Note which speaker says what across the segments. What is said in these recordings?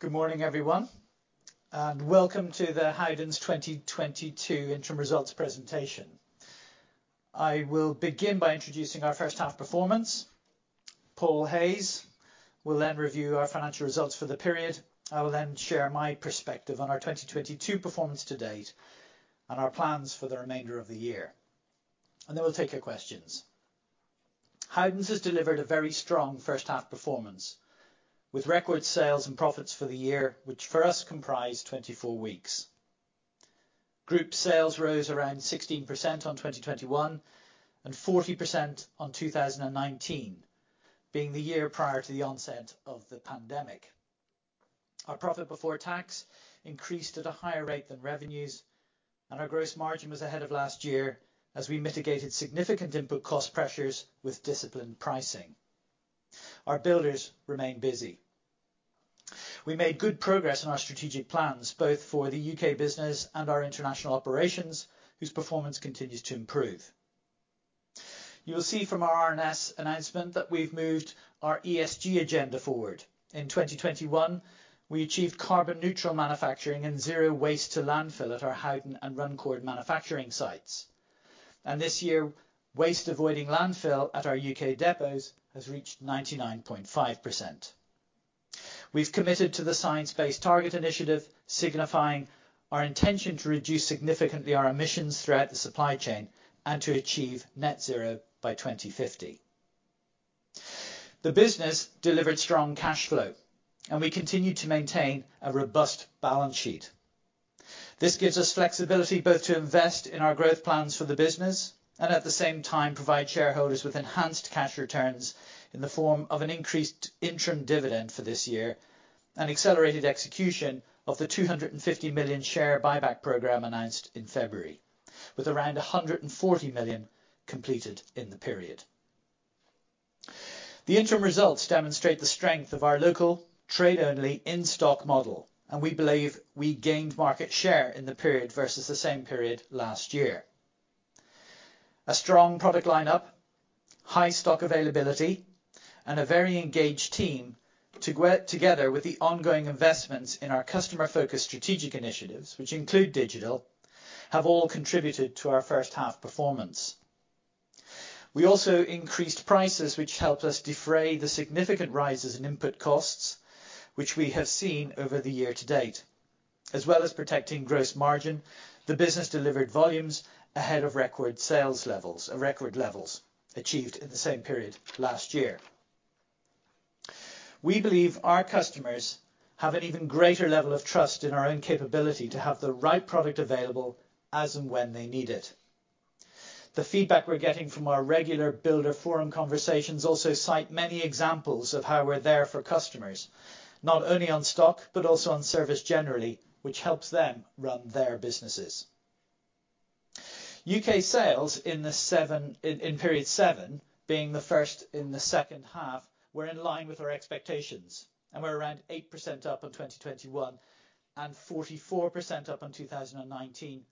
Speaker 1: Good morning, everyone, and welcome to the Howdens 2022 interim results presentation. I will begin by introducing our first half performance. Paul Hayes will then review our financial results for the period. I will then share my perspective on our 2022 performance to date and our plans for the remainder of the year. We'll take your questions. Howdens has delivered a very strong first half performance, with record sales and profits for the year, which for us comprised 24 weeks. Group sales rose around 16% on 2021, and 40% on 2019, being the year prior to the onset of the pandemic. Our profit before tax increased at a higher rate than revenues, and our gross margin was ahead of last year as we mitigated significant input cost pressures with disciplined pricing. Our builders remain busy. We made good progress on our strategic plans, both for the U.K. business and our international operations, whose performance continues to improve. You'll see from our RNS announcement that we've moved our ESG agenda forward. In 2021, we achieved carbon-neutral manufacturing and zero waste to landfill at our Howden and Runcorn manufacturing sites. This year, waste avoiding landfill at our UK depots has reached 99.5%. We've committed to the Science Based Targets initiative, signifying our intention to reduce significantly our emissions throughout the supply chain and to achieve net zero by 2050. The business delivered strong cashflow, and we continued to maintain a robust balance sheet. This gives us flexibility both to invest in our growth plans for the business and at the same time provide shareholders with enhanced cash returns in the form of an increased interim dividend for this year, and accelerated execution of the 250 million share buyback program announced in February, with around 140 million completed in the period. The interim results demonstrate the strength of our local trade-only in-stock model, and we believe we gained market share in the period versus the same period last year. A strong product line up, high stock availability, and a very engaged team together with the ongoing investments in our customer-focused strategic initiatives, which include digital, have all contributed to our first half performance. We also increased prices, which helped us defray the significant rises in input costs, which we have seen over the year to date. As well as protecting gross margin, the business delivered volumes ahead of record sales levels or record levels achieved in the same period last year. We believe our customers have an even greater level of trust in our own capability to have the right product available as and when they need it. The feedback we're getting from our regular builder forum conversations also cite many examples of how we're there for customers, not only on stock, but also on service generally, which helps them run their businesses. U.K. sales in period seven, being the first in the second half, were in line with our expectations and were around 8% up on 2021 and 44% up on 2019,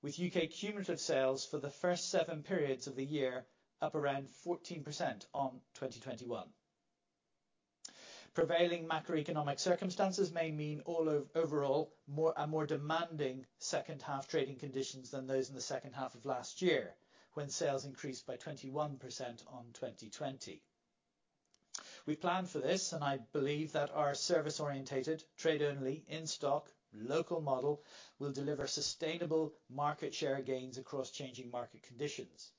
Speaker 1: with U.K. cumulative sales for the first seven periods of the year up around 14% on 2021. Prevailing macroeconomic circumstances may mean overall more and more demanding second half trading conditions than those in the second half of last year, when sales increased by 21% on 2020. We planned for this, and I believe that our service-oriented trade-only in-stock local model will deliver sustainable market share gains across changing market conditions.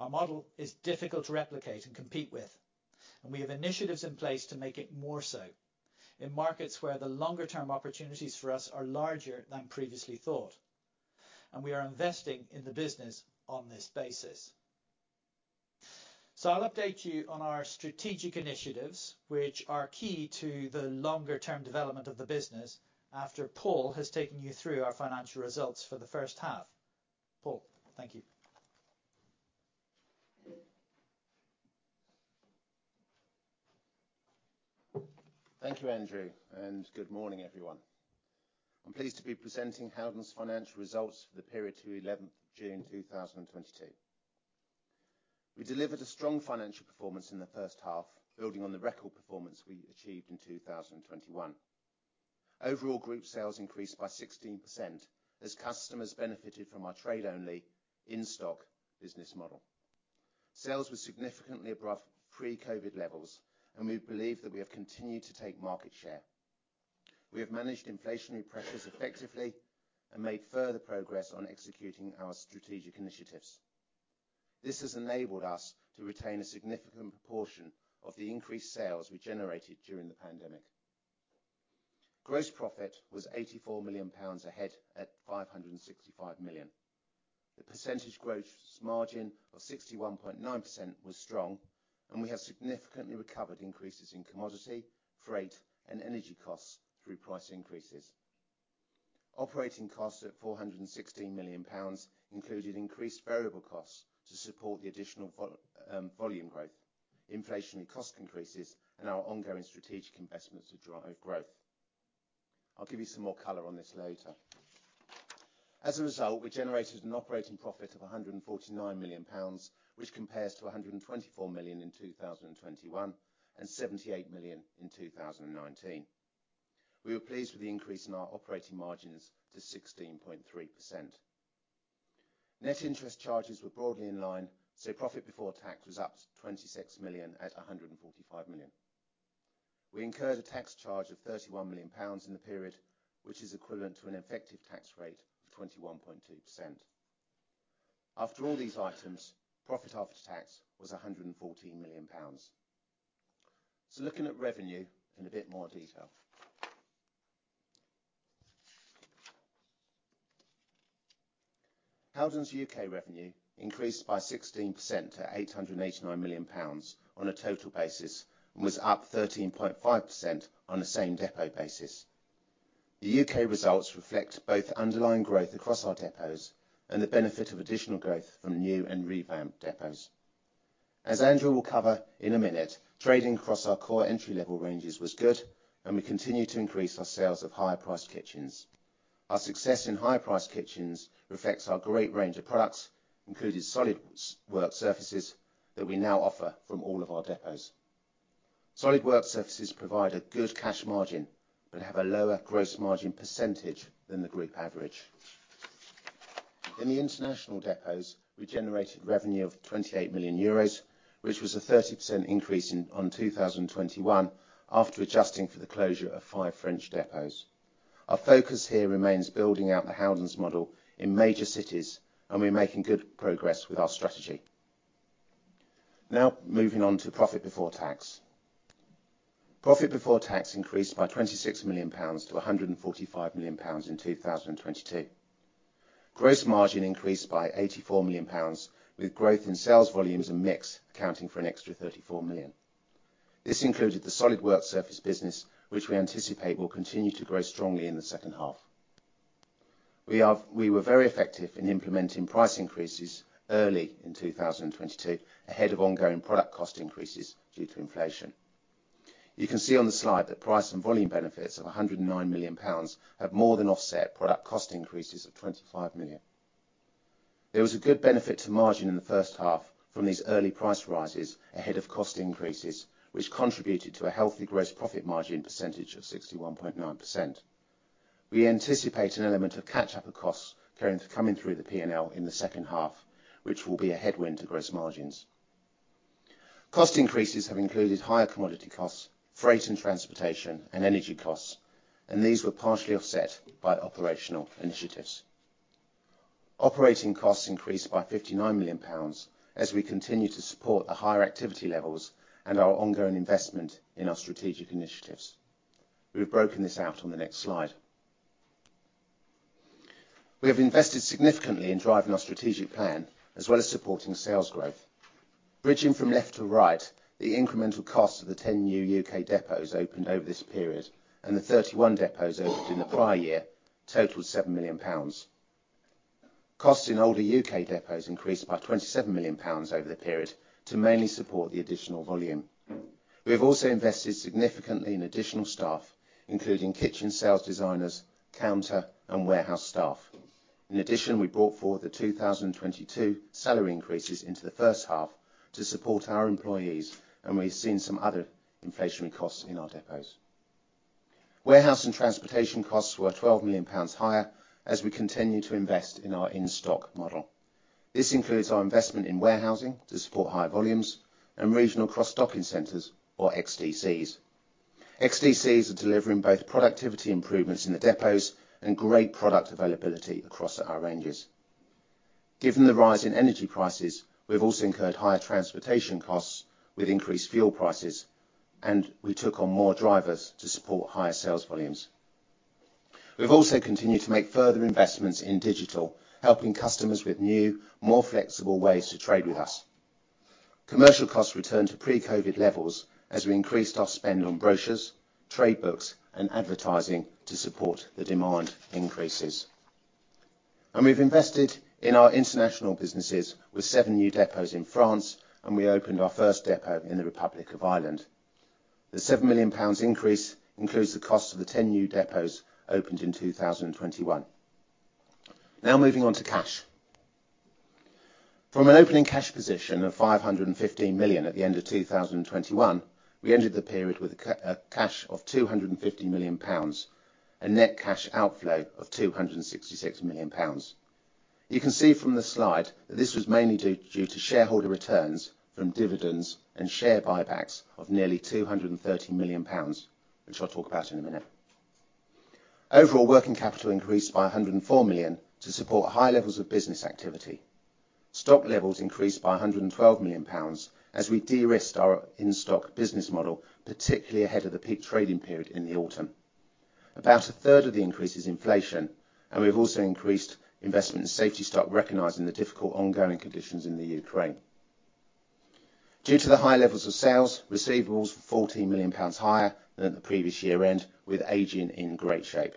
Speaker 1: Our model is difficult to replicate and compete with, and we have initiatives in place to make it more so in markets where the longer-term opportunities for us are larger than previously thought. We are investing in the business on this basis. I'll update you on our strategic initiatives, which are key to the longer-term development of the business after Paul has taken you through our financial results for the first half. Paul, thank you.
Speaker 2: Thank you, Andrew, and good morning, everyone. I'm pleased to be presenting Howdens' financial results for the period to 11 June 2022. We delivered a strong financial performance in the first half, building on the record performance we achieved in 2021. Overall group sales increased by 16% as customers benefited from our trade-only in-stock business model. Sales were significantly above pre-COVID levels, and we believe that we have continued to take market share. We have managed inflationary pressures effectively and made further progress on executing our strategic initiatives. This has enabled us to retain a significant proportion of the increased sales we generated during the pandemic. Gross profit was 84 million pounds ahead at 565 million. The gross margin of 61.9% was strong, and we have significantly recovered increases in commodity, freight, and energy costs through price increases. Operating costs at 460 million pounds included increased variable costs to support the additional volume growth, inflationary cost increases, and our ongoing strategic investments to drive growth. I'll give you some more color on this later. As a result, we generated an operating profit of 149 million pounds, which compares to 124 million in 2021, and 78 million in 2019. We were pleased with the increase in our operating margins to 16.3%. Net interest charges were broadly in line, so profit before tax was up 26 million at 145 million. We incurred a tax charge of 31 million pounds in the period, which is equivalent to an effective tax rate of 21.2%. After all these items, profit after tax was 114 million pounds. Looking at revenue in a bit more detail. Howdens U.K. revenue increased by 16% to 889 million pounds on a total basis, and was up 13.5% on a same depot basis. The U.K. results reflect both underlying growth across our depots and the benefit of additional growth from new and revamped depots. As Andrew will cover in a minute, trading across our core entry-level ranges was good, and we continue to increase our sales of higher priced kitchens. Our success in higher priced kitchens reflects our great range of products, including solid work surfaces that we now offer from all of our depots. Solid work surfaces provide a good cash margin, but have a lower gross margin percentage than the group average. In the international depots, we generated revenue of 28 million euros, which was a 30% increase on 2021 after adjusting for the closure of five French depots. Our focus here remains building out the Howdens model in major cities, and we're making good progress with our strategy. Now, moving on to profit before tax. Profit before tax increased by 26 million-145 million pounds in 2022. Gross margin increased by 84 million pounds, with growth in sales volumes and mix accounting for an extra 34 million. This included the solid work surface business, which we anticipate will continue to grow strongly in the second half. We were very effective in implementing price increases early in 2022, ahead of ongoing product cost increases due to inflation. You can see on the slide that price and volume benefits of 109 million pounds have more than offset product cost increases of 25 million. There was a good benefit to margin in the first half from these early price rises ahead of cost increases, which contributed to a healthy gross profit margin percentage of 61.9%. We anticipate an element of catch-up of costs coming through the P&L in the second half, which will be a headwind to gross margins. Cost increases have included higher commodity costs, freight and transportation, and energy costs, and these were partially offset by operational initiatives. Operating costs increased by 59 million pounds as we continue to support the higher activity levels and our ongoing investment in our strategic initiatives. We've broken this out on the next slide. We have invested significantly in driving our strategic plan as well as supporting sales growth. Bridging from left to right, the incremental cost of the 10 new UK depots opened over this period, and the 31 depots opened in the prior year, totaled 7 million pounds. Costs in older UK depots increased by 27 million pounds over the period to mainly support the additional volume. We have also invested significantly in additional staff, including kitchen sales designers, counter and warehouse staff. In addition, we brought forward the 2022 salary increases into the first half to support our employees, and we've seen some other inflationary costs in our depots. Warehouse and transportation costs were 12 million pounds higher as we continue to invest in our in-stock model. This includes our investment in warehousing to support higher volumes and regional cross-docking centers or XDCs. XDCs are delivering both productivity improvements in the depots and great product availability across our ranges. Given the rise in energy prices, we've also incurred higher transportation costs with increased fuel prices, and we took on more drivers to support higher sales volumes. We've also continued to make further investments in digital, helping customers with new, more flexible ways to trade with us. Commercial costs returned to pre-COVID levels as we increased our spend on brochures, trade books, and advertising to support the demand increases. We've invested in our international businesses with seven new depots in France, and we opened our first depot in the Republic of Ireland. The 7 million pounds increase includes the cost of the 10 new depots opened in 2021. Now moving on to cash. From an opening cash position of 515 million at the end of 2021, we ended the period with cash of 250 million pounds, a net cash outflow of 266 million pounds. You can see from the slide that this was mainly due to shareholder returns from dividends and share buybacks of nearly 230 million pounds, which I'll talk about in a minute. Overall, working capital increased by 104 million to support high levels of business activity. Stock levels increased by 112 million pounds as we de-risked our in-stock business model, particularly ahead of the peak trading period in the autumn. About a third of the increase is inflation, and we've also increased investment in safety stock, recognizing the difficult ongoing conditions in the Ukraine. Due to the high levels of sales, receivables were 14 million pounds higher than at the previous year-end, with aging in great shape.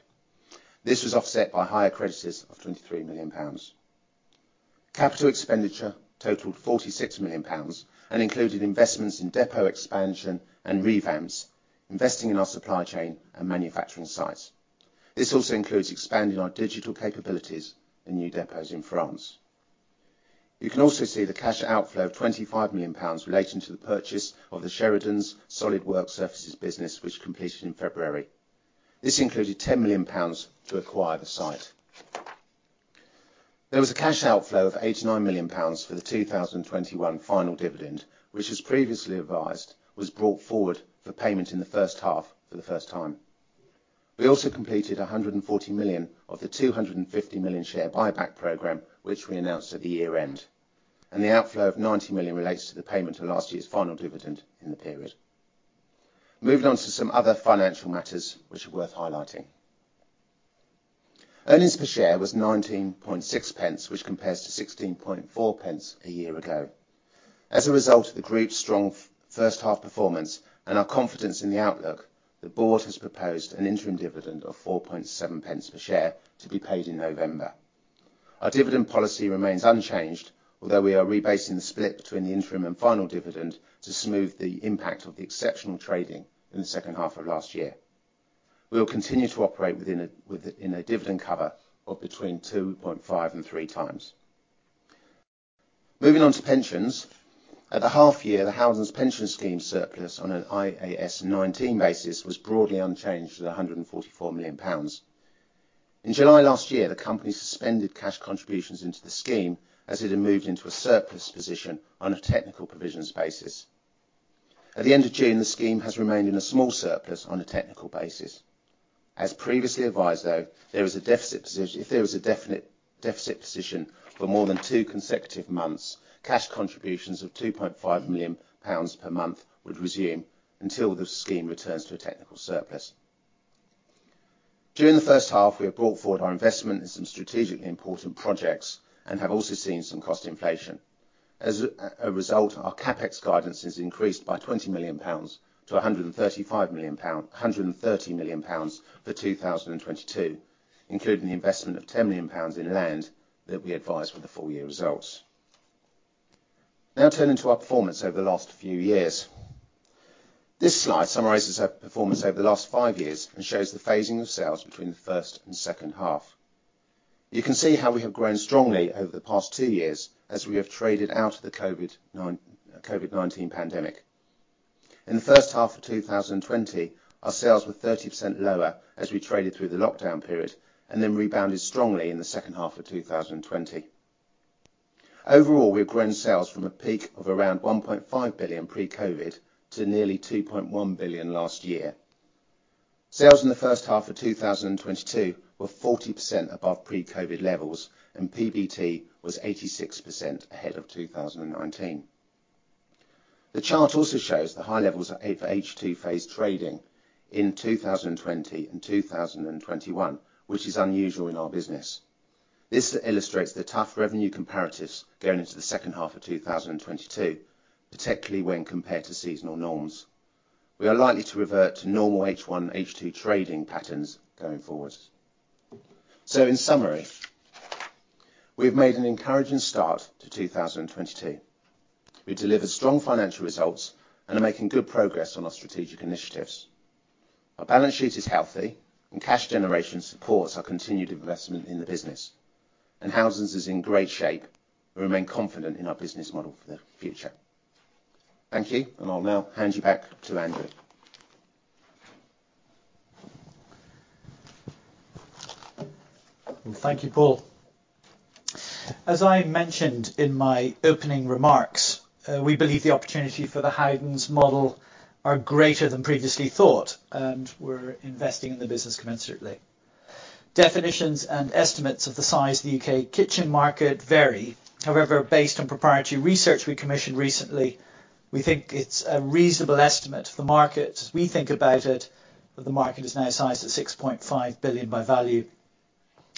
Speaker 2: This was offset by higher creditors of 23 million pounds. Capital expenditure totaled 46 million pounds and included investments in depot expansion and revamps, investing in our supply chain and manufacturing sites. This also includes expanding our digital capabilities in new depots in France. You can also see the cash outflow of 25 million pounds relating to the purchase of the Sheridan solid work surfaces business, which completed in February. This included 10 million pounds to acquire the site. There was a cash outflow of 89 million pounds for the 2021 final dividend, which was previously advised, was brought forward for payment in the first half for the first time. We also completed 140 million of the 250 million share buyback program, which we announced at the year-end, and the outflow of 90 million relates to the payment of last year's final dividend in the period. Moving on to some other financial matters which are worth highlighting. Earnings per share was 19.6 p, which compares to 16.4 p a year ago. As a result of the group's strong first half performance and our confidence in the outlook, the board has proposed an interim dividend of 4.7 p per share to be paid in November. Our dividend policy remains unchanged, although we are rebasing the split between the interim and final dividend to smooth the impact of the exceptional trading in the second half of last year. We will continue to operate within a dividend cover of between 2.5 and 3x. Moving on to pensions. At the half year, the Howdens pension scheme surplus on an IAS 19 basis was broadly unchanged at GBP 144 million. In July last year, the company suspended cash contributions into the scheme as it had moved into a surplus position on a technical provisions basis. At the end of June, the scheme has remained in a small surplus on a technical basis. As previously advised though, there is a deficit position—if there was a definite deficit position for more than two consecutive months, cash contributions of 2.5 million pounds per month would resume until the scheme returns to a technical surplus. During the first half, we have brought forward our investment in some strategically important projects and have also seen some cost inflation. As a result, our CapEx guidance has increased by 20 million-135 million pounds, 130 million pounds for 2022, including the investment of 10 million pounds in land that we advised for the full year results. Now turning to our performance over the last few years. This slide summarizes our performance over the last five years and shows the phasing of sales between the first and second half. You can see how we have grown strongly over the past two years as we have traded out of the COVID-19 pandemic. In the first half of 2020, our sales were 30% lower as we traded through the lockdown period and then rebounded strongly in the second half of 2020. Overall, we have grown sales from a peak of around 1.5 billion pre-COVID to nearly 2.1 billion last year. Sales in the first half of 2022 were 40% above pre-COVID levels, and PBT was 86% ahead of 2019. The chart also shows the high levels of H2 phased trading in 2020 and 2021, which is unusual in our business. This illustrates the tough revenue comparatives going into the second half of 2022, particularly when compared to seasonal norms. We are likely to revert to normal H1, H2 trading patterns going forward. In summary, we've made an encouraging start to 2022. We delivered strong financial results and are making good progress on our strategic initiatives. Our balance sheet is healthy, and cash generation supports our continued investment in the business. Howdens is in great shape. We remain confident in our business model for the future. Thank you, and I'll now hand you back to Andrew.
Speaker 1: Thank you, Paul. As I mentioned in my opening remarks, we believe the opportunity for the Howdens model are greater than previously thought, and we're investing in the business commensurately. Definitions and estimates of the size of the UK kitchen market vary. However, based on proprietary research we commissioned recently, we think it's a reasonable estimate of the market as we think about it, that the market is now sized at 6.5 billion by value.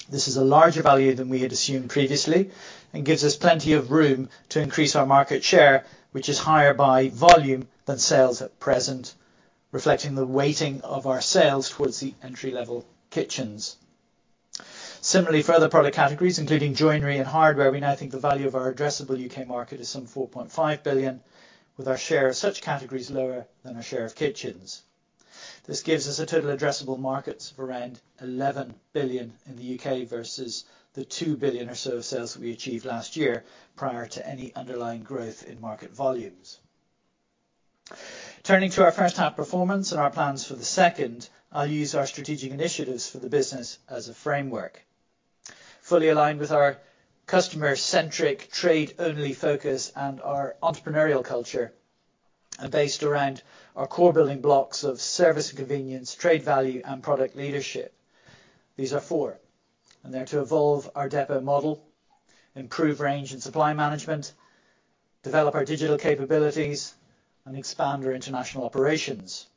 Speaker 1: This is a larger value than we had assumed previously and gives us plenty of room to increase our market share, which is higher by volume than sales at present, reflecting the weighting of our sales towards the entry-level kitchens. Similarly, for other product categories, including joinery and hardware, we now think the value of our addressable UK market is some 4.5 billion, with our share of such categories lower than our share of kitchens. This gives us a total addressable markets of around 11 billion in the U.K. versus the 2 billion or so sales we achieved last year prior to any underlying growth in market volumes. Turning to our first half performance and our plans for the second, I'll use our strategic initiatives for the business as a framework. Fully aligned with our customer-centric trade-only focus and our entrepreneurial culture are based around our core building blocks of service and convenience, trade value, and product leadership. These are four, and they're to evolve our depot model, improve range and supply management, develop our digital capabilities, and expand our international operations.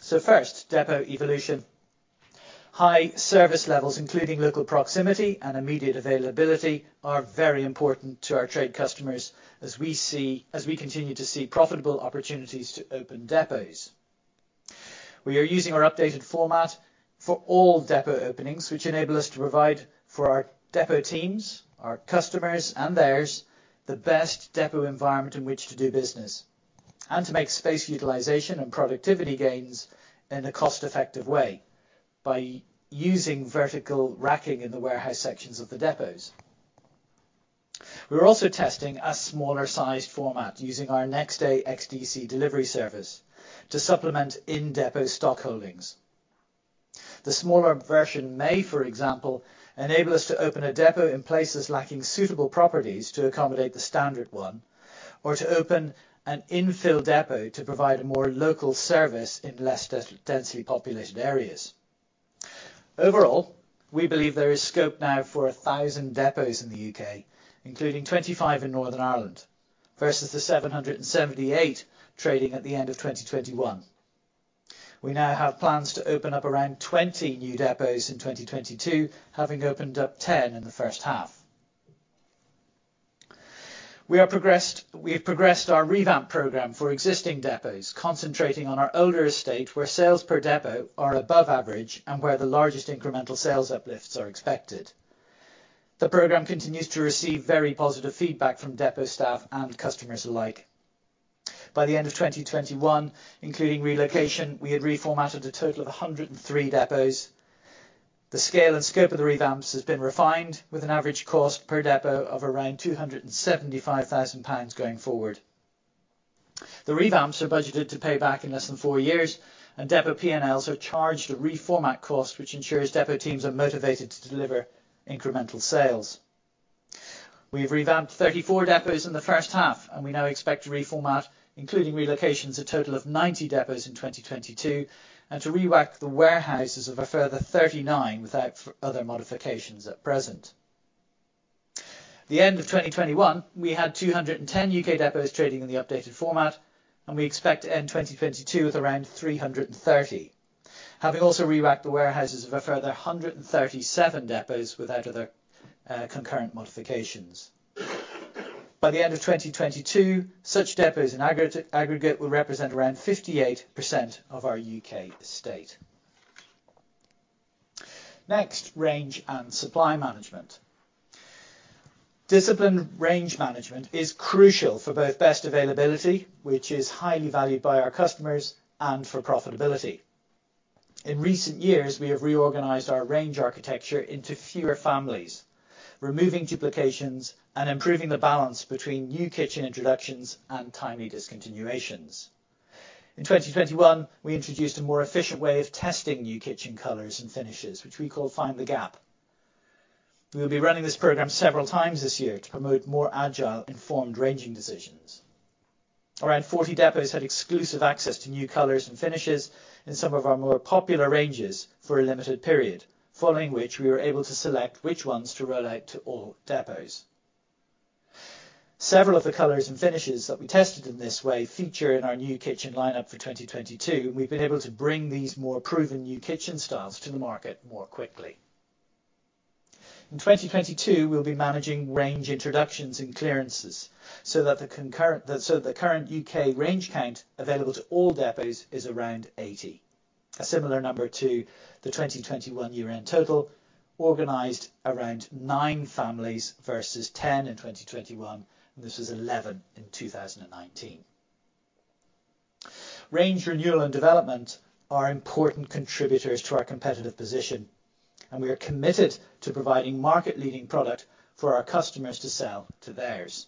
Speaker 1: First, depot evolution. High service levels, including local proximity and immediate availability, are very important to our trade customers as we continue to see profitable opportunities to open depots. We are using our updated format for all depot openings, which enable us to provide for our depot teams, our customers and theirs, the best depot environment in which to do business, and to make space utilization and productivity gains in a cost-effective way by using vertical racking in the warehouse sections of the depots. We are also testing a smaller sized format using our next day XDC delivery service to supplement in depot stock holdings. The smaller version may, for example, enable us to open a depot in places lacking suitable properties to accommodate the standard one, or to open an infill depot to provide a more local service in less densely populated areas. Overall, we believe there is scope now for 1,000 depots in the U.K., including 25 in Northern Ireland versus the 778 trading at the end of 2021. We now have plans to open up around 20 new depots in 2022, having opened up 10 in the first half. We have progressed our revamp program for existing depots, concentrating on our older estate, where sales per depot are above average and where the largest incremental sales uplifts are expected. The program continues to receive very positive feedback from depot staff and customers alike. By the end of 2021, including relocation, we had reformatted a total of 103 depots. The scale and scope of the revamps has been refined with an average cost per depot of around 275,000 pounds going forward. The revamps are budgeted to pay back in less than four years, and depot P&Ls are charged a reformat cost, which ensures depot teams are motivated to deliver incremental sales. We've revamped 34 depots in the first half, and we now expect to reformat, including relocations, a total of 90 depots in 2022 and to re-rack the warehouses of a further 39 without other modifications at present. At the end of 2021, we had 210 UK depots trading in the updated format, and we expect to end 2022 with around 330. Having also re-racked the warehouses of a further 137 depots without other concurrent modifications. By the end of 2022, such depots in aggregate will represent around 58% of our U.K. estate. Next, range and supply management. Disciplined range management is crucial for both best availability, which is highly valued by our customers, and for profitability. In recent years, we have reorganized our range architecture into fewer families, removing duplications and improving the balance between new kitchen introductions and timely discontinuations. In 2021, we introduced a more efficient way of testing new kitchen colors and finishes, which we call Find The Gap. We'll be running this program several times this year to promote more agile, informed ranging decisions. Around 40 depots had exclusive access to new colors and finishes in some of our more popular ranges for a limited period, following which we were able to select which ones to roll out to all depots. Several of the colors and finishes that we tested in this way feature in our new kitchen lineup for 2022, and we've been able to bring these more proven new kitchen styles to the market more quickly. In 2022, we'll be managing range introductions and clearances so that the current UK range count available to all depots is around 80. A similar number to the 2021 year-end total, organized around nine families versus 10 in 2021, and this was 11 in 2019. Range renewal and development are important contributors to our competitive position, and we are committed to providing market-leading product for our customers to sell to theirs.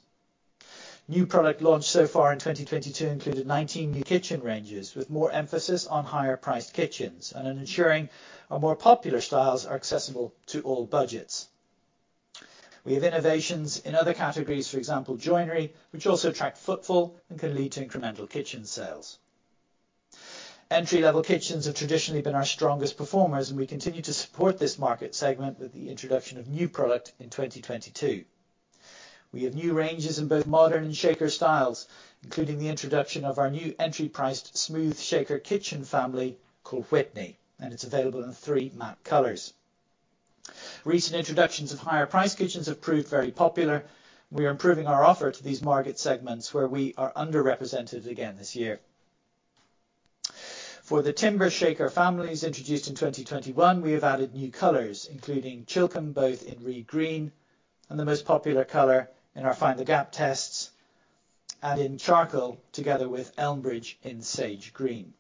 Speaker 1: New product launched so far in 2022 included 19 new kitchen ranges with more emphasis on higher priced kitchens and ensuring our more popular styles are accessible to all budgets. We have innovations in other categories, for example, joinery, which also attract footfall and can lead to incremental kitchen sales. Entry-level kitchens have traditionally been our strongest performers, and we continue to support this market segment with the introduction of new product in 2022. We have new ranges in both modern and Shaker styles, including the introduction of our new entry-priced smooth Shaker kitchen family called Witney, and it's available in three matte colors. Recent introductions of higher price kitchens have proved very popular, and we are improving our offer to these market segments where we are underrepresented again this year. For the timber Shaker families introduced in 2021, we have added new colors, including Chilcomb, both in Reed Green and the most popular color in our Find The Gap tests, and in Charcoal, together with Elmbridge in Sage Green.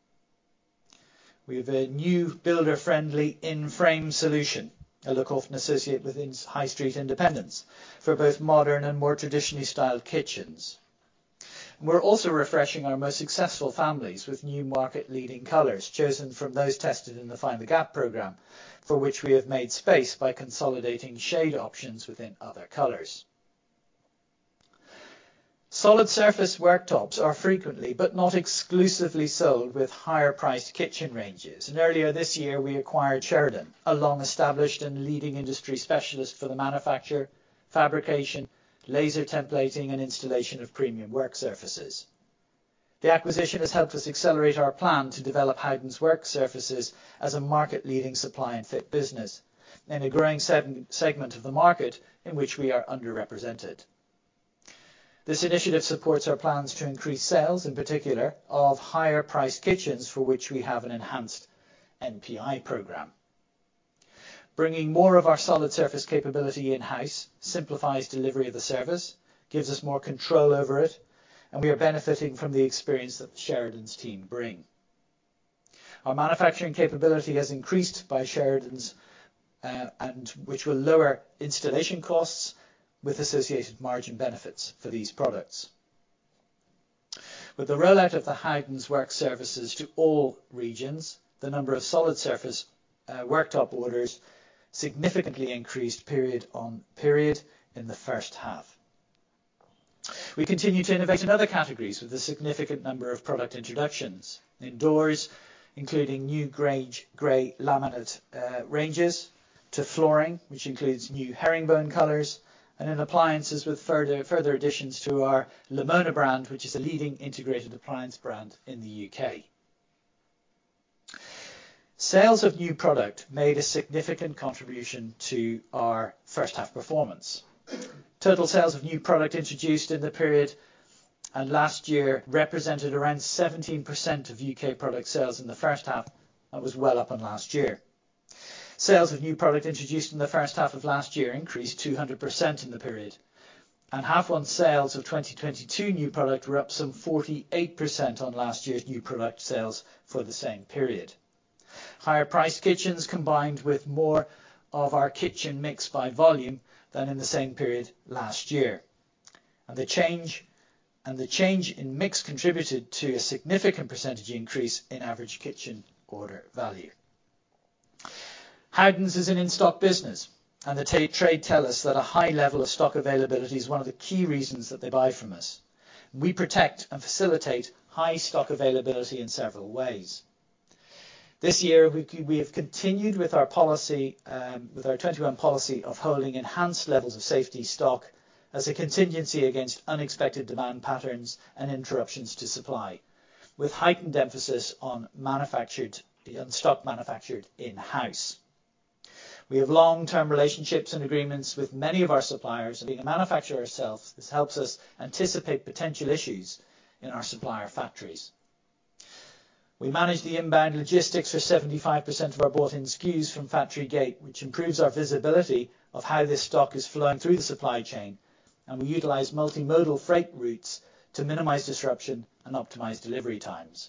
Speaker 1: We have a new builder-friendly in-frame solution, a look often associated with high street independents for both modern and more traditionally styled kitchens. We're also refreshing our most successful families with new market-leading colors chosen from those tested in the Find The Gap program, for which we have made space by consolidating shade options within other colors. Solid surface worktops are frequently, but not exclusively, sold with higher priced kitchen ranges. Earlier this year, we acquired Sheridan, a long-established and leading industry specialist for the manufacture, fabrication, laser templating, and installation of premium work surfaces. The acquisition has helped us accelerate our plan to develop Howdens Work Surfaces as a market-leading supply and fit business in a growing segment of the market in which we are underrepresented. This initiative supports our plans to increase sales, in particular, of higher priced kitchens for which we have an enhanced NPI program. Bringing more of our solid surface capability in-house simplifies delivery of the service, gives us more control over it, and we are benefiting from the experience that the Sheridan team bring. Our manufacturing capability has increased by Sheridan, and which will lower installation costs with associated margin benefits for these products. With the rollout of the Howdens Work Surfaces to all regions, the number of solid surface worktop orders significantly increased period on period in the first half. We continue to innovate in other categories with a significant number of product introductions. In doors, including new Greige Grey laminate ranges to flooring, which includes new herringbone colors, and in appliances with further additions to our Lamona brand, which is a leading integrated appliance brand in the U.K. Sales of new product made a significant contribution to our first half performance. Total sales of new product introduced in the period and last year represented around 17% of UK product sales in the first half. That was well up on last year. Sales of new product introduced in the first half of last year increased 200% in the period, and sales of 2022 new product were up some 48% on last year's new product sales for the same period. Higher priced kitchens combined with more of our kitchen mix by volume than in the same period last year. The change in mix contributed to a significant percentage increase in average kitchen order value. Howdens is an in-stock business, and the trade tell us that a high level of stock availability is one of the key reasons that they buy from us. We protect and facilitate high stock availability in several ways. This year, we have continued with our 2021 policy of holding enhanced levels of safety stock as a contingency against unexpected demand patterns and interruptions to supply, with heightened emphasis on manufactured and stock manufactured in-house. We have long-term relationships and agreements with many of our suppliers, and being a manufacturer ourselves, this helps us anticipate potential issues in our supplier factories. We manage the inbound logistics for 75% of our bought-in SKUs from factory gate, which improves our visibility of how this stock is flowing through the supply chain, and we utilize multimodal freight routes to minimize disruption and optimize delivery times.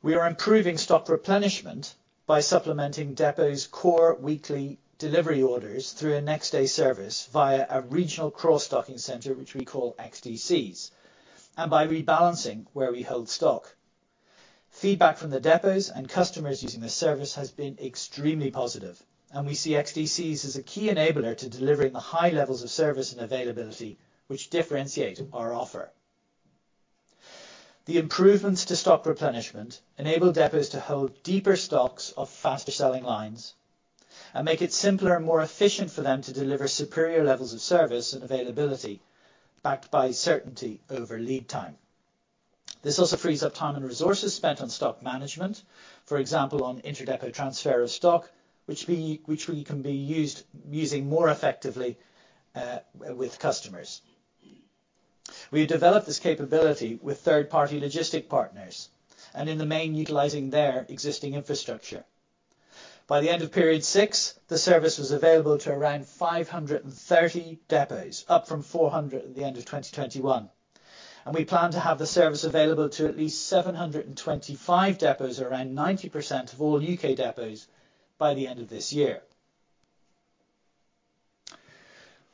Speaker 1: We are improving stock replenishment by supplementing depot's core weekly delivery orders through a next day service via a regional cross-docking center, which we call XDCs, and by rebalancing where we hold stock. Feedback from the depots and customers using the service has been extremely positive, and we see XDCs as a key enabler to delivering the high levels of service and availability which differentiate our offer. The improvements to stock replenishment enable depots to hold deeper stocks of faster selling lines and make it simpler and more efficient for them to deliver superior levels of service and availability backed by certainty over lead time. This also frees up time and resources spent on stock management, for example, on inter-depot transfer of stock, which we can use more effectively with customers. We developed this capability with third-party logistics partners and in the main utilizing their existing infrastructure. By the end of period six, the service was available to around 530 depots, up from 400 at the end of 2021, and we plan to have the service available to at least 725 depots around 90% of all U.K. depots by the end of this year.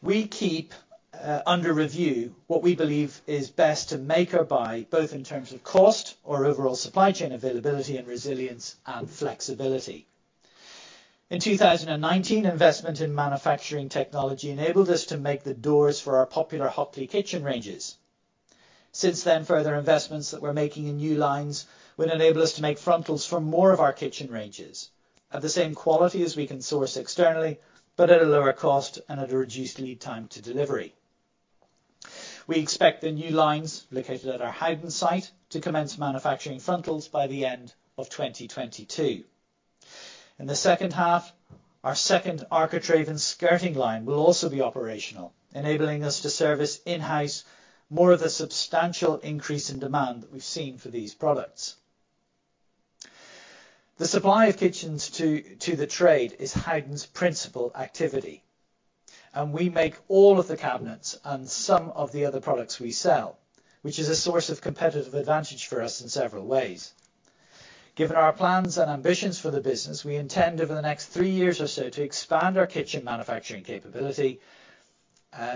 Speaker 1: We keep under review what we believe is best to make or buy, both in terms of cost or overall supply chain availability and resilience and flexibility. In 2019, investment in manufacturing technology enabled us to make the doors for our popular Hockley kitchen ranges. Since then, further investments that we're making in new lines would enable us to make frontals for more of our kitchen ranges at the same quality as we can source externally, but at a lower cost and at a reduced lead time to delivery. We expect the new lines located at our Howden site to commence manufacturing frontals by the end of 2022. In the second half, our second architrave and skirting line will also be operational, enabling us to service in-house more of the substantial increase in demand that we've seen for these products. The supply of kitchens to the trade is Howdens' principal activity, and we make all of the cabinets and some of the other products we sell, which is a source of competitive advantage for us in several ways. Given our plans and ambitions for the business, we intend over the next three years or so to expand our kitchen manufacturing capability,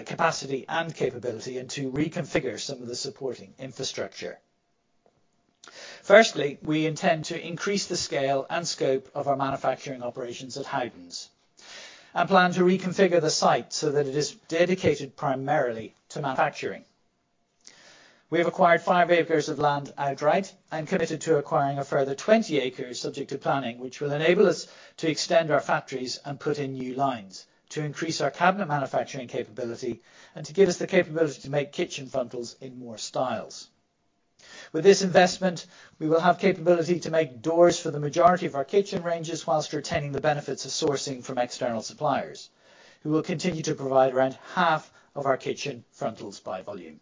Speaker 1: capacity and capability and to reconfigure some of the supporting infrastructure. Firstly, we intend to increase the scale and scope of our manufacturing operations at Howdens and plan to reconfigure the site so that it is dedicated primarily to manufacturing. We have acquired 5 acres of land outright and committed to acquiring a further 20 acres subject to planning, which will enable us to extend our factories and put in new lines to increase our cabinet manufacturing capability and to give us the capability to make kitchen frontals in more styles. With this investment, we will have capability to make doors for the majority of our kitchen ranges whilst retaining the benefits of sourcing from external suppliers, who will continue to provide around half of our kitchen frontals by volume.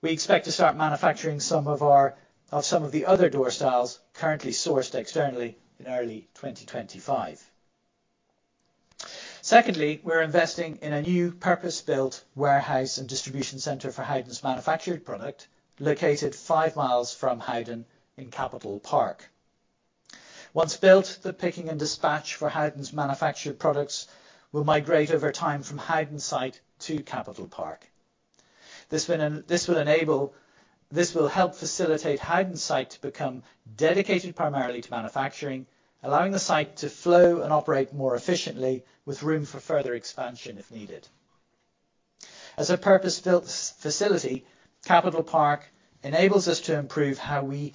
Speaker 1: We expect to start manufacturing some of the other door styles currently sourced externally in early 2025. Secondly, we're investing in a new purpose-built warehouse and distribution center for Howdens' manufactured product, located 5 mi from Howdens in Capital Park. Once built, the picking and dispatch for Howdens' manufactured products will migrate over time from Howdens' site to Capital Park. This will help facilitate Howdens' site to become dedicated primarily to manufacturing, allowing the site to flow and operate more efficiently, with room for further expansion if needed. As a purpose-built facility, Capital Park enables us to improve how we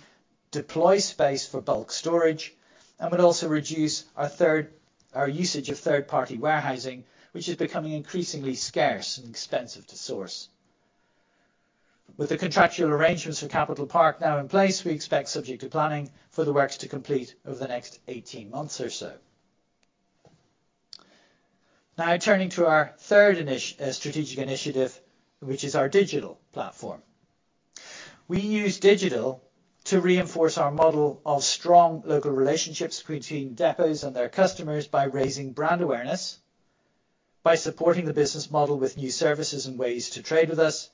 Speaker 1: deploy space for bulk storage and would also reduce our usage of third-party warehousing, which is becoming increasingly scarce and expensive to source. With the contractual arrangements for Capital Park now in place, we expect, subject to planning, for the works to complete over the next 18 months or so. Now, turning to our third strategic initiative, which is our digital platform. We use digital to reinforce our model of strong local relationships between depots and their customers by raising brand awareness, by supporting the business model with new services and ways to trade with us,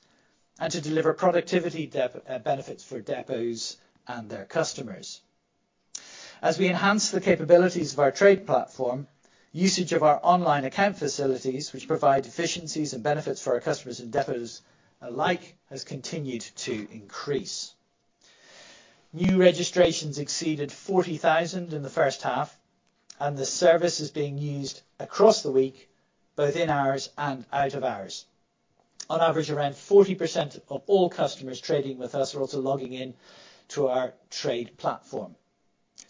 Speaker 1: and to deliver productivity benefits for depots and their customers. As we enhance the capabilities of our trade platform, usage of our online account facilities, which provide efficiencies and benefits for our customers and depots alike, has continued to increase. New registrations exceeded 40,000 in the first half, and the service is being used across the week, both in hours and out of hours. On average, around 40% of all customers trading with us are also logging in to our trade platform.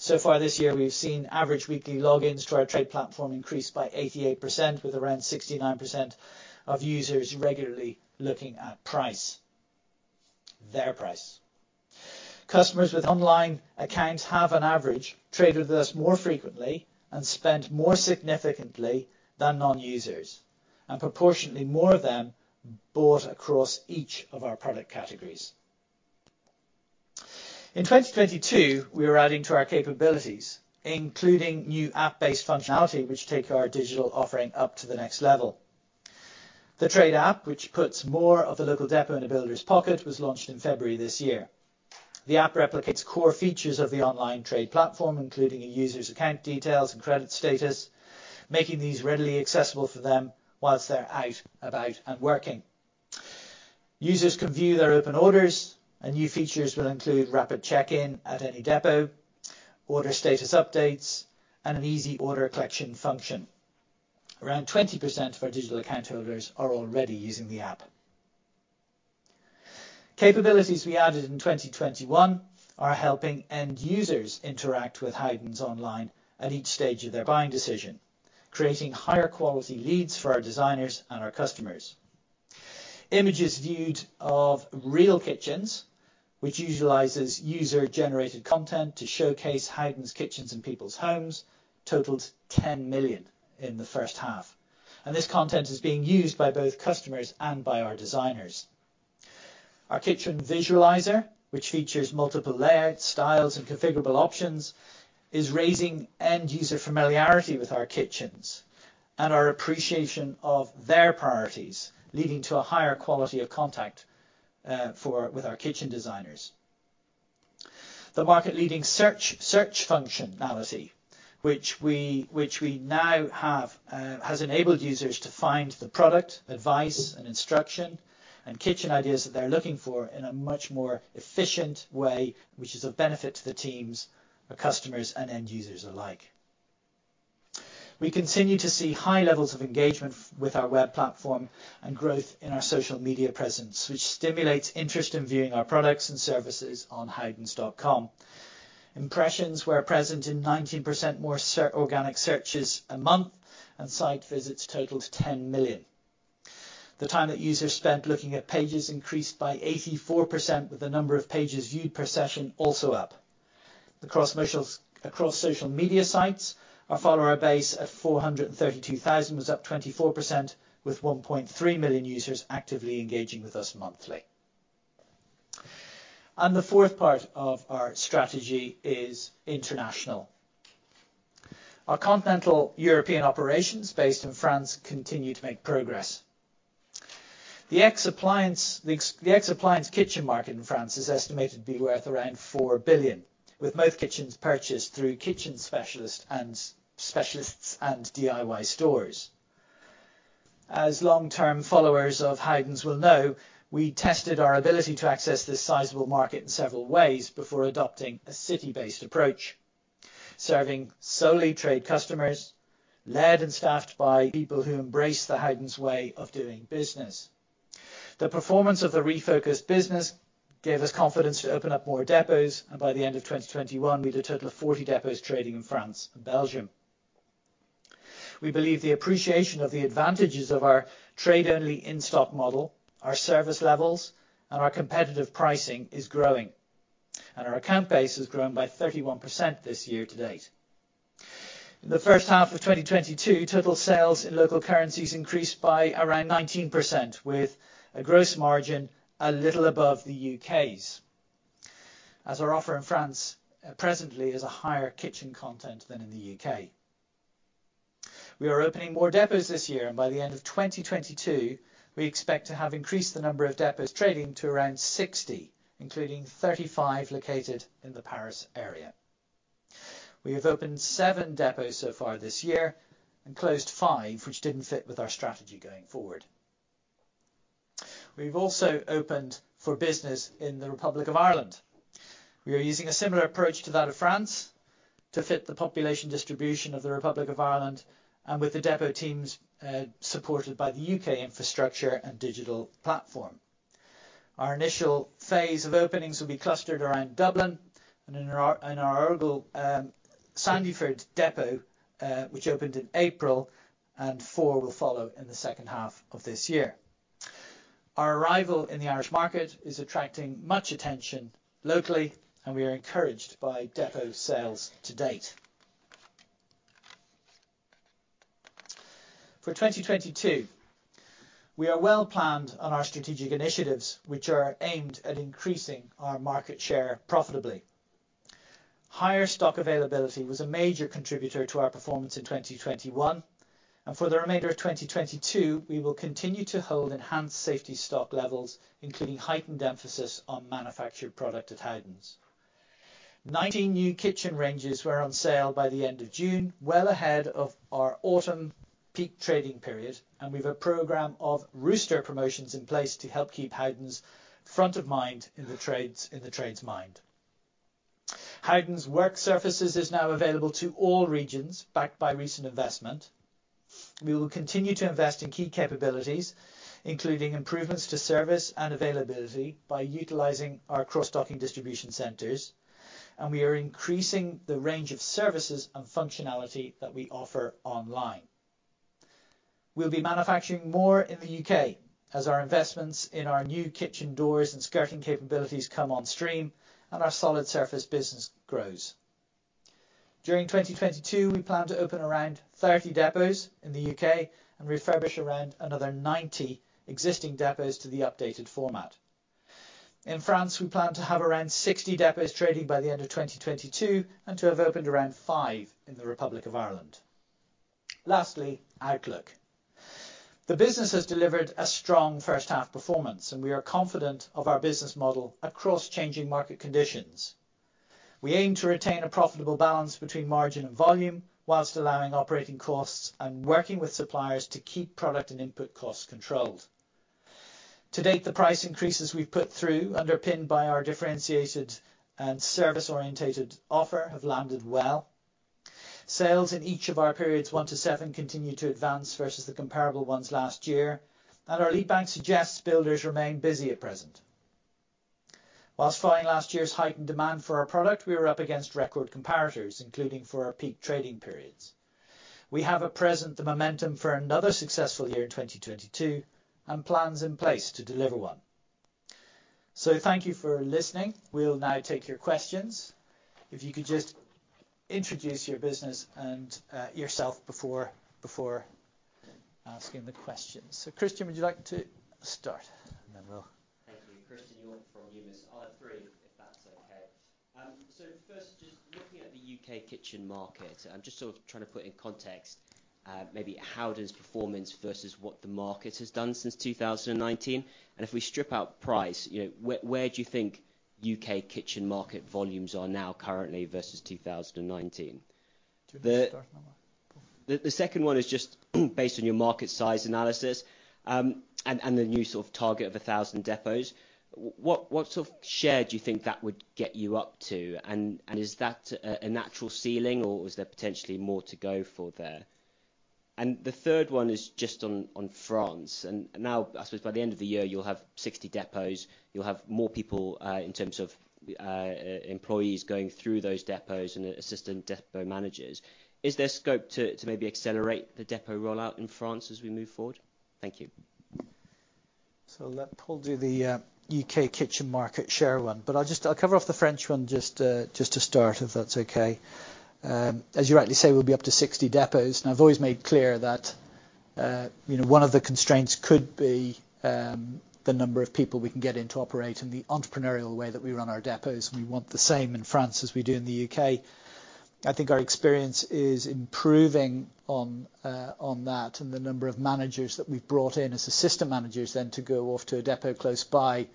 Speaker 1: So far this year, we've seen average weekly logins to our trade platform increase by 88%, with around 69% of users regularly looking at price, their price. Customers with online accounts have on average traded with us more frequently and spent more significantly than non-users, and proportionately more of them bought across each of our product categories. In 2022, we are adding to our capabilities, including new app-based functionality which take our digital offering up to the next level. The trade app, which puts more of the local depot in a builder's pocket, was launched in February this year. The app replicates core features of the online trade platform, including a user's account details and credit status, making these readily accessible for them while they're out, about, and working. Users can view their open orders, and new features will include rapid check-in at any depot, order status updates, and an easy order collection function. Around 20% of our digital account holders are already using the app. Capabilities we added in 2021 are helping end users interact with Howdens' online at each stage of their buying decision, creating higher quality leads for our designers and our customers. Images viewed of Real Kitchens, which utilizes user-generated content to showcase Howdens' kitchens in people's homes, totaled 10 million in the first half, and this content is being used by both customers and by our designers. Our kitchen visualizer, which features multiple layout styles and configurable options, is raising end-user familiarity with our kitchens and our appreciation of their priorities, leading to a higher quality of contact with our kitchen designers. The market-leading search functionality, which we now have, has enabled users to find the product, advice, and instruction, and kitchen ideas that they're looking for in a much more efficient way, which is of benefit to the teams, our customers, and end users alike. We continue to see high levels of engagement with our web platform and growth in our social media presence, which stimulates interest in viewing our products and services on howdens.com. Impressions were present in 19% more organic searches a month, and site visits totaled 10 million. The time that users spent looking at pages increased by 84%, with the number of pages viewed per session also up. Across social media sites, our follower base of 432,000 was up 24%, with 1.3 million users actively engaging with us monthly. The fourth part of our strategy is international. Our continental European operations based in France continue to make progress. The ex-appliance kitchen market in France is estimated to be worth around 4 billion, with most kitchens purchased through kitchen specialists and DIY stores. As long-term followers of Howdens will know, we tested our ability to access this sizable market in several ways before adopting a city-based approach, serving solely trade customers, led and staffed by people who embrace the Howdens way of doing business. The performance of the refocused business gave us confidence to open up more depots, and by the end of 2021, we had a total of 40 depots trading in France and Belgium. We believe the appreciation of the advantages of our trade only in-stock model, our service levels, and our competitive pricing is growing, and our account base has grown by 31% this year to date. In the first half of 2022, total sales in local currencies increased by around 19%, with a gross margin a little above the U.K.'s, as our offer in France presently is a higher kitchen content than in the U.K. We are opening more depots this year, and by the end of 2022, we expect to have increased the number of depots trading to around 60, including 35 located in the Paris area. We have opened seven depots so far this year and closed five which didn't fit with our strategy going forward. We've also opened for business in the Republic of Ireland. We are using a similar approach to that of France to fit the population distribution of the Republic of Ireland, and with the depot teams supported by the U.K. infrastructure and digital platform. Our initial phase of openings will be clustered around Dublin and in our Sandyford depot, which opened in April, and four will follow in the second half of this year. Our arrival in the Irish market is attracting much attention locally, and we are encouraged by depot sales to date. For 2022, we are well planned on our strategic initiatives, which are aimed at increasing our market share profitably. Higher stock availability was a major contributor to our performance in 2021, and for the remainder of 2022, we will continue to hold enhanced safety stock levels, including heightened emphasis on manufactured product at Howdens. 19 new kitchen ranges were on sale by the end of June, well ahead of our autumn peak trading period, and we've a program of Rooster promotions in place to help keep Howdens front of mind in the trades' mind. Howdens Work Surfaces is now available to all regions, backed by recent investment. We will continue to invest in key capabilities, including improvements to service and availability by utilizing our cross-docking distribution centers, and we are increasing the range of services and functionality that we offer online. We'll be manufacturing more in the U.K. as our investments in our new kitchen doors and skirting capabilities come on stream, and our solid surface business grows. During 2022, we plan to open around 30 depots in the U.K. and refurbish around another 90 existing depots to the updated format. In France, we plan to have around 60 depots trading by the end of 2022 and to have opened around five in the Republic of Ireland. Lastly, outlook. The business has delivered a strong first half performance, and we are confident of our business model across changing market conditions. We aim to retain a profitable balance between margin and volume while allowing operating costs and working with suppliers to keep product and input costs controlled. To date, the price increases we've put through, underpinned by our differentiated and service-oriented offer, have landed well. Sales in each of our periods one to seven continue to advance versus the comparable ones last year, and our lead bank suggests builders remain busy at present. While following last year's heightened demand for our product, we were up against record comparators, including for our peak trading periods. We have at present the momentum for another successful year in 2022 and plans in place to deliver one. Thank you for listening. We'll now take your questions. If you could just introduce your business and yourself before asking the questions. Christen, would you like to start? Then we'll
Speaker 3: Thank you. Christen Hjorth from Numis. I'll have three, if that's okay. So first just looking at the UK kitchen market, I'm just sort of trying to put in context, maybe Howdens performance versus what the market has done since 2019. If we strip out price, you know, where do you think UK kitchen market volumes are now currently versus 2019? The second one is just based on your market size analysis, and the new sort of target of 1,000 depots. What sort of share do you think that would get you up to? Is that a natural ceiling or is there potentially more to go for there? The third one is just on France, and now I suppose by the end of the year you'll have 60 depots, you'll have more people in terms of employees going through those depots and assistant depot managers. Is there scope to maybe accelerate the depot rollout in France as we move forward? Thank you.
Speaker 1: I'll let Paul do the UK kitchen market share one, but I'll just cover off the French one just to start, if that's okay. As you rightly say, we'll be up to 60 depots, and I've always made clear that you know, one of the constraints could be the number of people we can get in to operate in the entrepreneurial way that we run our depots, and we want the same in France as we do in the U.K. I think our experience is improving on that and the number of managers that we've brought in as assistant managers then to go off to a depot close by.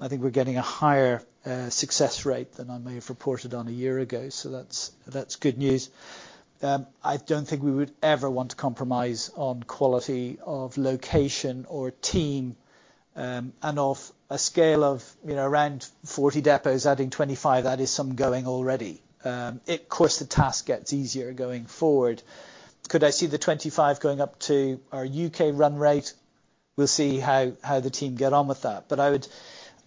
Speaker 1: I think we're getting a higher success rate than I may have reported on a year ago. That's good news. I don't think we would ever want to compromise on quality of location or team. On a scale of, you know, around 40 depots adding 25, that is some going already. Of course the task gets easier going forward. Could I see the 25 going up to our UK run rate? We'll see how the team get on with that.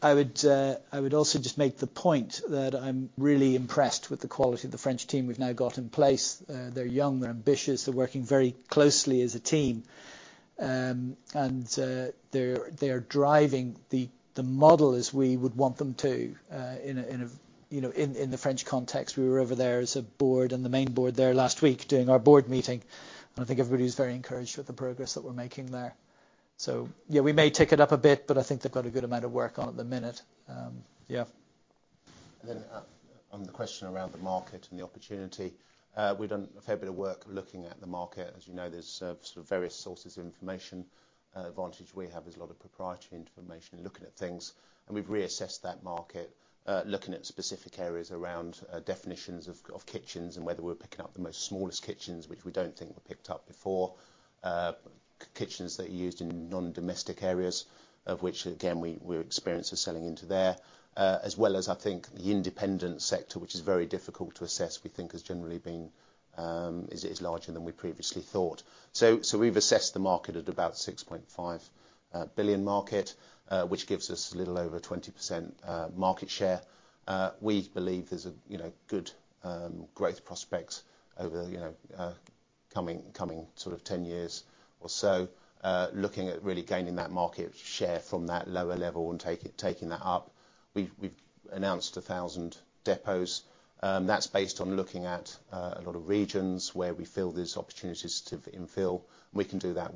Speaker 1: I would also just make the point that I'm really impressed with the quality of the French team we've now got in place. They're young, they're ambitious, they're working very closely as a team. They're driving the model as we would want them to, in a, you know, in the French context. We were over there as a board and the main board there last week doing our board meeting, and I think everybody was very encouraged with the progress that we're making there. Yeah, we may tick it up a bit, but I think they've got a good amount of work on at the minute. Yeah.
Speaker 2: On the question around the market and the opportunity, we've done a fair bit of work looking at the market. As you know, there's sort of various sources of information. Advantage we have is a lot of proprietary information in looking at things, and we've reassessed that market, looking at specific areas around definitions of kitchens and whether we're picking up the most smallest kitchens, which we don't think were picked up before. Kitchens that are used in non-domestic areas, of which, again, we're experienced with selling into there, as well as I think the independent sector, which is very difficult to assess, we think is larger than we previously thought. We've assessed the market at about 6.5 billion market, which gives us a little over 20% market share. We believe there's a you know good growth prospects over the you know coming sort of 10 years or so, looking at really gaining that market share from that lower level and taking that up. We've announced 1,000 depots. That's based on looking at a lot of regions where we feel there's opportunities to infill, and we can do that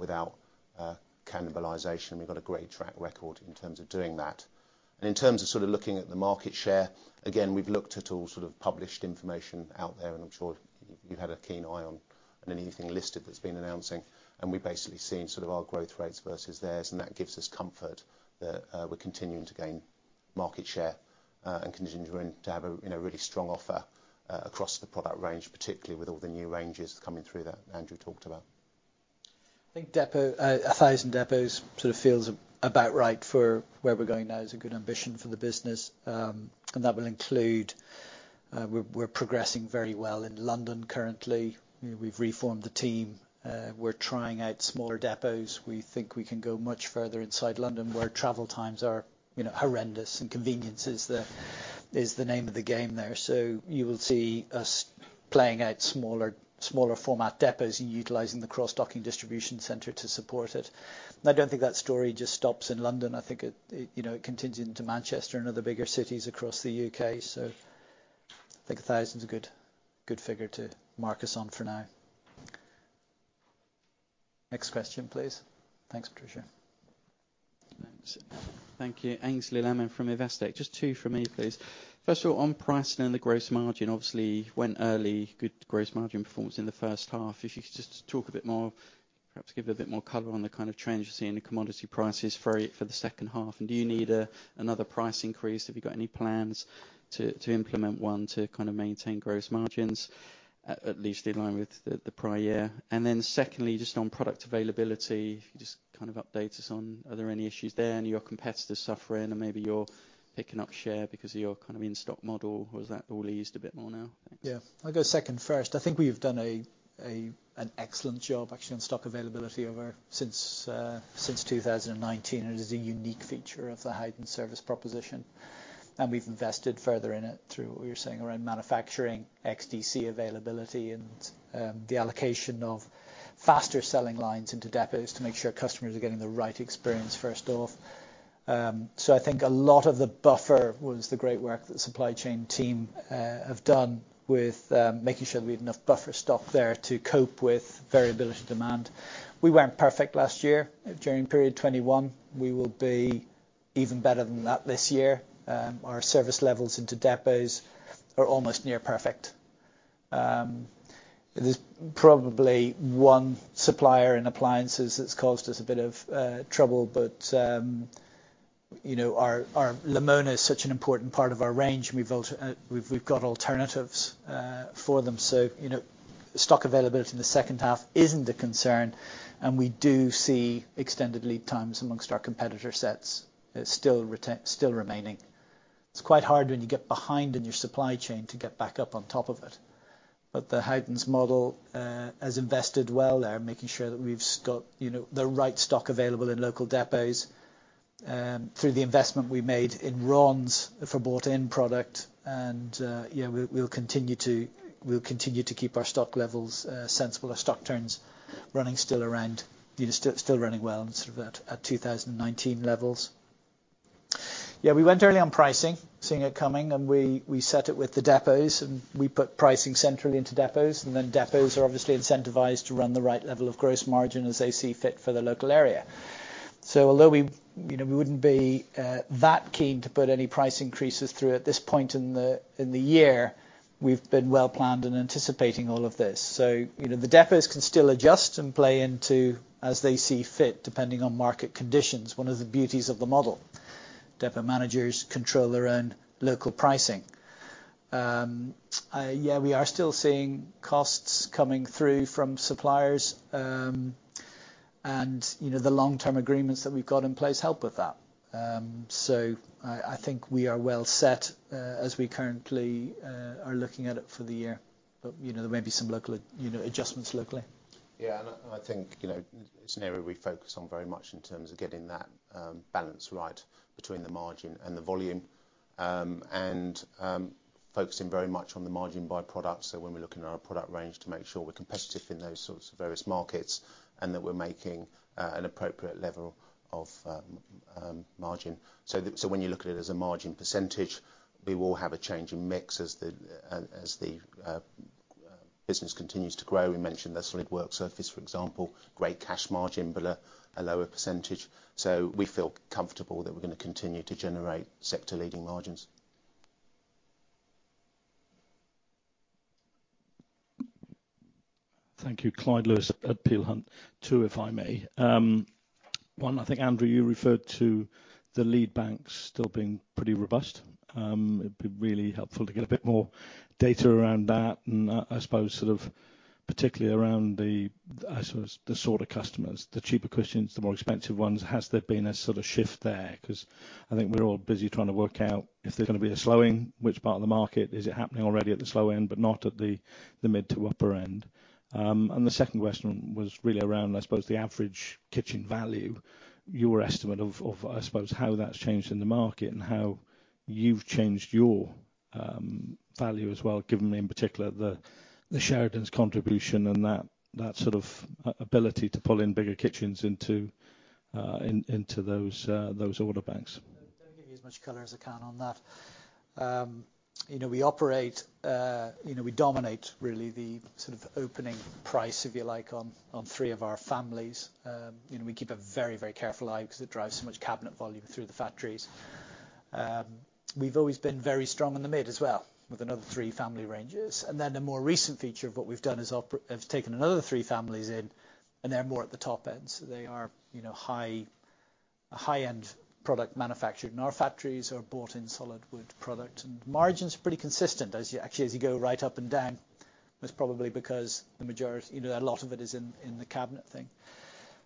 Speaker 2: without cannibalization. We've got a great track record in terms of doing that. In terms of sort of looking at the market share, again, we've looked at all sort of published information out there, and I'm sure you've had a keen eye on anything listed that's been announcing, and we've basically seen sort of our growth rates versus theirs, and that gives us comfort that we're continuing to gain market share, and continuing to have a, you know, really strong offer across the product range, particularly with all the new ranges coming through that Andrew talked about.
Speaker 1: I think depot, 1,000 depots sort of feels about right for where we're going now. It's a good ambition for the business. That will include. We're progressing very well in London currently. You know, we've reformed the team. We're trying out smaller depots. We think we can go much further inside London, where travel times are, you know, horrendous and convenience is the name of the game there. You will see us playing out smaller format depots and utilizing the cross-docking distribution center to support it. I don't think that story just stops in London. I think it continues into Manchester and other bigger cities across the U.K. I think 1,000's a good figure to mark us on for now. Next question, please. Thanks.
Speaker 4: Thank you. Aynsley Lammin from Investec. Just two from me, please. First of all, on pricing and the gross margin, obviously went early, good gross margin performance in the first half. If you could just talk a bit more, perhaps give a bit more color on the kind of trends you're seeing in commodity prices for the second half. Do you need another price increase? Have you got any plans to implement one to kind of maintain gross margins, at least in line with the prior year? Secondly, just on product availability, if you could just kind of update us on are there any issues there and are your competitors suffering and maybe you're picking up share because of your kind of in-stock model? Is that all eased a bit more now? Thanks.
Speaker 1: Yeah. I'll go second first. I think we've done an excellent job actually on stock availability over since 2019. It is a unique feature of the Howdens service proposition. We've invested further in it through what you were saying around manufacturing, XDC availability and the allocation of faster selling lines into depots to make sure customers are getting the right experience first off. I think a lot of the buffer was the great work that the supply chain team have done with making sure we had enough buffer stock there to cope with variable demand. We weren't perfect last year during period 21. We will be even better than that this year. Our service levels into depots are almost near perfect. There's probably one supplier in appliances that's caused us a bit of trouble, but you know, our Lamona is such an important part of our range and we've got alternatives for them. You know, stock availability in the second half isn't a concern, and we do see extended lead times among our competitor sets still remaining. It's quite hard when you get behind in your supply chain to get back up on top of it. But the Howdens model has invested well there, making sure that we've got you know, the right stock available in local depots through the investment we made in Runs for bought-in product. Yeah, we'll continue to keep our stock levels sensible. Our stock turns running still around, you know, still running well and sort of at 2019 levels. Yeah, we went early on pricing, seeing it coming, and we set it with the depots and we put pricing centrally into depots, and then depots are obviously incentivized to run the right level of gross margin as they see fit for the local area. Although we, you know, wouldn't be that keen to put any price increases through at this point in the year, we've been well-planned and anticipating all of this. You know, the depots can still adjust and play into as they see fit, depending on market conditions. One of the beauties of the model, depot managers control their own local pricing. We are still seeing costs coming through from suppliers, and you know, the long-term agreements that we've got in place help with that. I think we are well set, as we currently are looking at it for the year. You know, there may be some local, you know, adjustments locally.
Speaker 2: Yeah, I think, you know, it's an area we focus on very much in terms of getting that balance right between the margin and the volume, focusing very much on the margin by product. When we're looking at our product range to make sure we're competitive in those sorts of various markets, and that we're making an appropriate level of margin, when you look at it as a margin percentage, we will have a change in mix as the business continues to grow. We mentioned the solid work surface, for example. Great cash margin, but a lower percentage. We feel comfortable that we're gonna continue to generate sector-leading margins.
Speaker 5: Thank you. Clyde Lewis at Peel Hunt. Two, if I may. One, I think, Andrew, you referred to the lead banks still being pretty robust. It'd be really helpful to get a bit more data around that and I suppose sort of particularly around the I suppose the sort of customers, the cheaper kitchens, the more expensive ones. Has there been a sort of shift there? 'Cause I think we're all busy trying to work out if there's gonna be a slowing, which part of the market, is it happening already at the low end but not at the mid to upper end? The second question was really around, I suppose, the average kitchen value. Your estimate of, I suppose, how that's changed in the market, and how you've changed your value as well, given, in particular, the Sheridan's contribution and that sort of ability to pull in bigger kitchens into those order banks.
Speaker 1: I'll give you as much color as I can on that. You know, we operate, you know, we dominate really the sort of opening price, if you like, on three of our families. You know, we keep a very careful eye 'cause it drives so much cabinet volume through the factories. We've always been very strong in the mid as well, with another three family ranges. Then the more recent feature of what we've done is have taken another three families in, and they're more at the top end, so they are, you know, high-end product manufactured in our factories or bought in solid wood product. Margin's pretty consistent as you, actually, as you go right up and down. That's probably because the majority, you know, a lot of it is in the cabinet thing.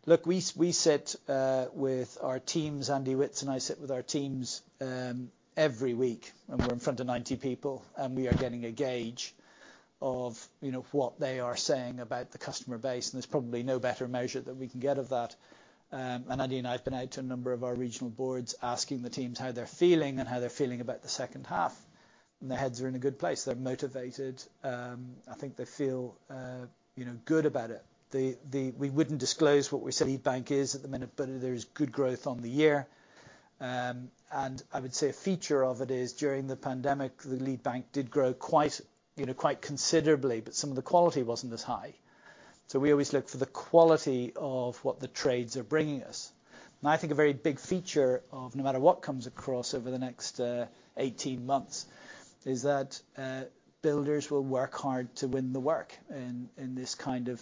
Speaker 1: Look, we sit with our teams, Andy Witts and I sit with our teams, every week, and we're in front of 90 people, and we are getting a gauge of, you know, what they are saying about the customer base, and there's probably no better measure that we can get of that. Andy and I have been out to a number of our regional boards asking the teams how they're feeling and how they're feeling about the second half. Their heads are in a good place. They're motivated. I think they feel, you know, good about it. We wouldn't disclose what we said lead bank is at the minute, but there is good growth on the year. I would say a feature of it is during the pandemic, the lead bank did grow quite, you know, quite considerably, but some of the quality wasn't as high. We always look for the quality of what the trades are bringing us. I think a very big feature of no matter what comes across over the next 18 months is that builders will work hard to win the work in this kind of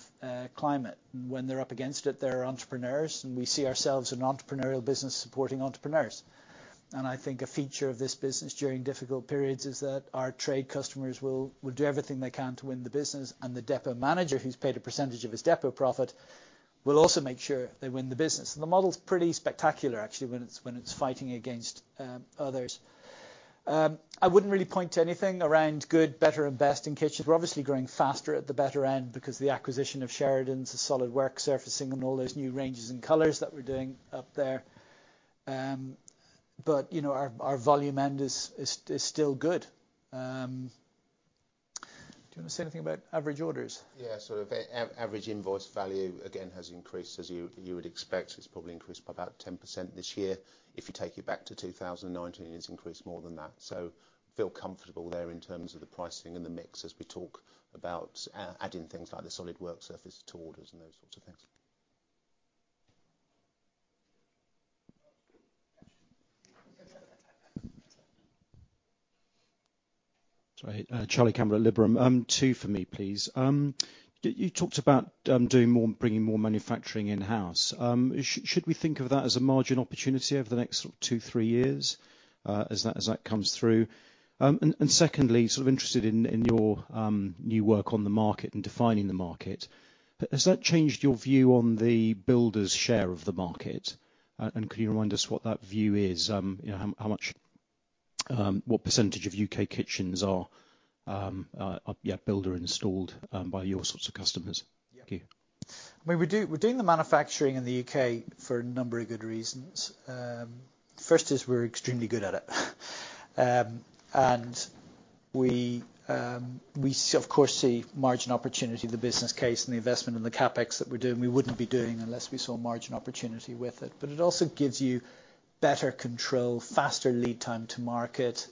Speaker 1: climate. When they're up against it, they're entrepreneurs and we see ourselves an entrepreneurial business supporting entrepreneurs. I think a feature of this business during difficult periods is that our trade customers will do everything they can to win the business, and the depot manager, who's paid a percentage of his depot profit, will also make sure they win the business. The model's pretty spectacular actually, when it's fighting against others. I wouldn't really point to anything around good, better and best in kitchen. We're obviously growing faster at the better end because the acquisition of Sheridan's, the solid work surfaces and all those new ranges and colors that we're doing up there. You know, our volume end is still good. Do you wanna say anything about average orders?
Speaker 2: Yeah. The average invoice value again has increased as you would expect. It's probably increased by about 10% this year. If you take it back to 2019, it's increased more than that. Feel comfortable there in terms of the pricing and the mix as we talk about adding things like the solid work surface to orders and those sorts of things.
Speaker 6: Sorry. Charlie Campbell at Liberum. Two for me, please. You talked about doing more, bringing more manufacturing in-house. Should we think of that as a margin opportunity over the next two, three years, as that comes through? And secondly, sort of interested in your new work on the market and defining the market. Has that changed your view on the builder's share of the market? And could you remind us what that view is? You know, how much, what percentage of UK kitchens are yeah, builder installed, by your sorts of customers?
Speaker 1: Yeah.
Speaker 6: Thank you.
Speaker 1: I mean, we're doing the manufacturing in the U.K. for a number of good reasons. First is we're extremely good at it. We of course see margin opportunity, the business case and the investment and the CapEx that we're doing, we wouldn't be doing unless we saw margin opportunity with it. It also gives you better control, faster lead time to market,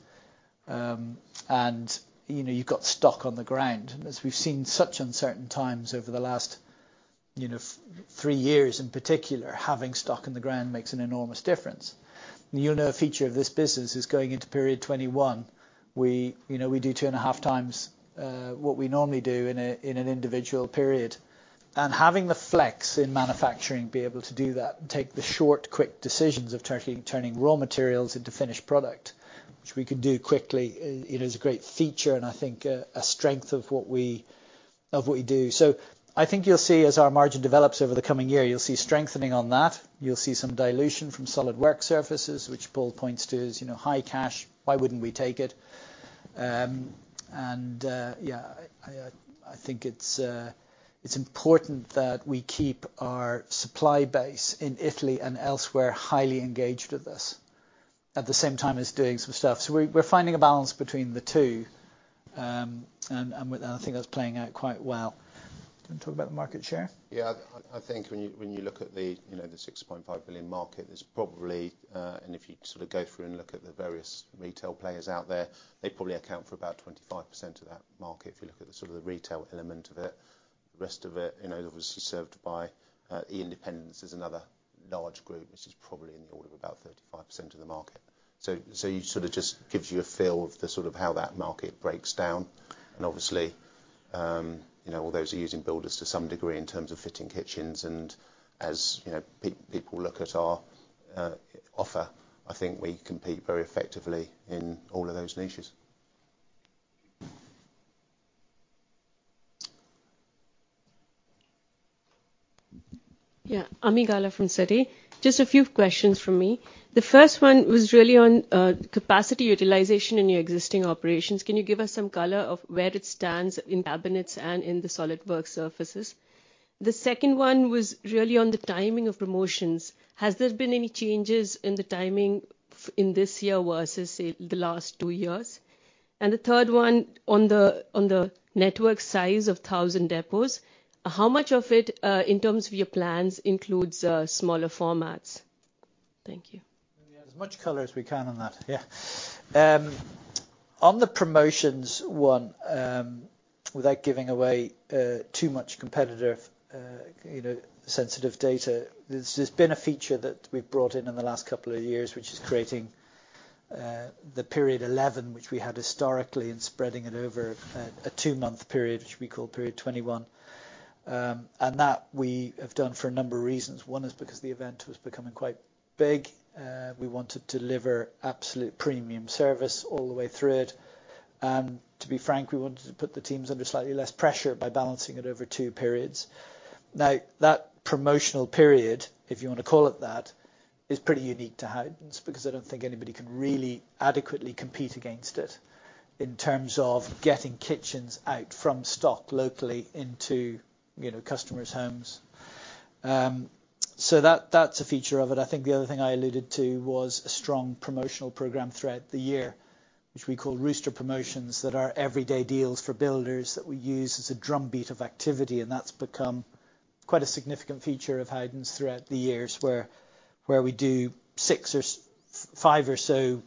Speaker 1: and, you know, you've got stock on the ground. We've seen such uncertain times over the last, you know, three years in particular, having stock on the ground makes an enormous difference. You'll know a feature of this business is going into period 21. You know, we do 2.5x what we normally do in an individual period. Having the flex in manufacturing be able to do that and take the short, quick decisions of turning raw materials into finished product, which we can do quickly, is a great feature and I think a strength of what we do. I think you'll see, as our margin develops over the coming year, you'll see strengthening on that. You'll see some dilution from solid work surfaces, which Paul points to as high cash. Why wouldn't we take it? I think it's important that we keep our supply base in Italy and elsewhere highly engaged with us at the same time as doing some stuff. We're finding a balance between the two, and I think that's playing out quite well. Do you want to talk about market share?
Speaker 2: Yeah. I think when you look at the, you know, the 6.5 billion market, there's probably and if you sort of go through and look at the various retail players out there, they probably account for about 25% of that market, if you look at the sort of retail element of it. The rest of it, you know, obviously served by the independents. There's another large group which is probably in the order of about 35% of the market. So you sort of just gives you a feel of the sort of how that market breaks down. Obviously, you know, all those are using builders to some degree in terms of fitting kitchens and as, you know, people look at our offer. I think we compete very effectively in all of those niches.
Speaker 7: Yeah. Ami Galla from Citi. Just a few questions from me. The first one was really on capacity utilization in your existing operations. Can you give us some color on where it stands in cabinets and in the solid work surfaces? The second one was really on the timing of promotions. Has there been any changes in the timing in this year versus, say, the last two years? And the third one on the network size of 1,000 depots, how much of it in terms of your plans includes smaller formats? Thank you.
Speaker 1: We'll give you as much color as we can on that. On the promotions one, without giving away too much competitive, you know, sensitive data, there's been a feature that we've brought in in the last couple of years, which is creating the period eleven, which we had historically, and spreading it over a two-month period, which we call period 21. That we have done for a number of reasons. One is because the event was becoming quite big. We want to deliver absolute premium service all the way through it. To be frank, we wanted to put the teams under slightly less pressure by balancing it over two periods. Now, that promotional period, if you wanna call it that, is pretty unique to Howdens because I don't think anybody can really adequately compete against it in terms of getting kitchens out from stock locally into, you know, customers' homes. So that's a feature of it. I think the other thing I alluded to was a strong promotional program throughout the year, which we call Rooster promotions, that are everyday deals for builders that we use as a drumbeat of activity. That's become quite a significant feature of Howdens throughout the years where we do five or so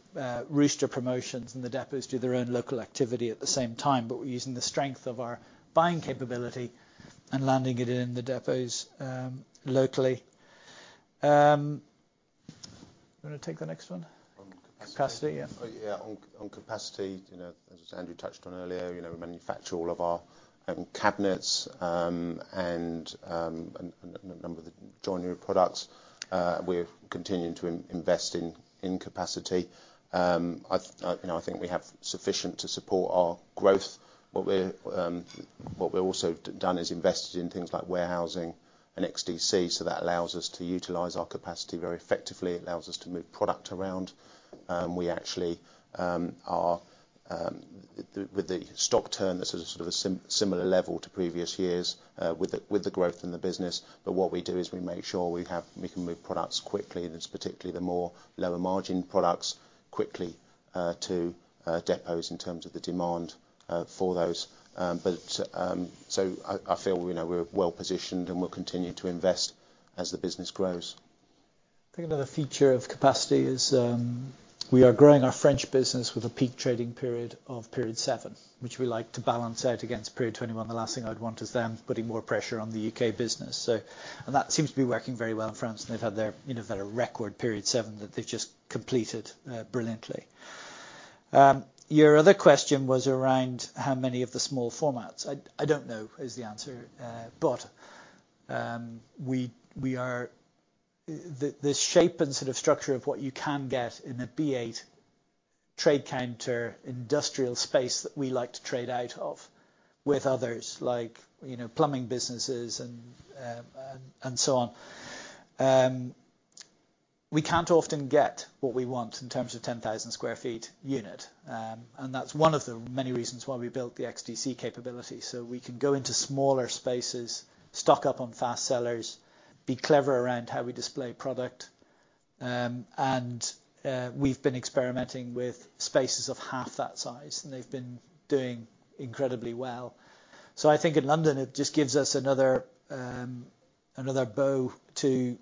Speaker 1: Rooster promotions and the depots do their own local activity at the same time. We're using the strength of our buying capability and landing it in the depots locally. You wanna take the next one?
Speaker 2: On capacity.
Speaker 1: Capacity, yeah.
Speaker 2: Yeah. On capacity, you know, as Andrew touched on earlier, you know, we manufacture all of our own cabinets, and a number of the joinery products. We're continuing to invest in capacity. You know, I think we have sufficient to support our growth. What we've also done is invested in things like warehousing and XDC, so that allows us to utilize our capacity very effectively. It allows us to move product around. We actually, with the stock turn that's at a sort of similar level to previous years, with the growth in the business. What we do is we make sure we can move products quickly, and it's particularly the more lower margin products, quickly to depots in terms of the demand for those. I feel, you know, we're well-positioned, and we'll continue to invest as the business grows.
Speaker 1: I think another feature of capacity is, we are growing our French business with a peak trading period of period seven, which we like to balance out against period 21. The last thing I'd want is them putting more pressure on the UK business. That seems to be working very well in France, and they've had a record period seven that they've just completed brilliantly. Your other question was around how many of the small formats. I don't know is the answer. We are the shape and sort of structure of what you can get in a B8 trade counter industrial space that we like to trade out of with others like, you know, plumbing businesses and so on. We can't often get what we want in terms of 10,000 sq ft unit, and that's one of the many reasons why we built the XDC capability. We can go into smaller spaces, stock up on fast sellers, be clever around how we display product. We've been experimenting with spaces of half that size, and they've been doing incredibly well. I think in London it just gives us another bow to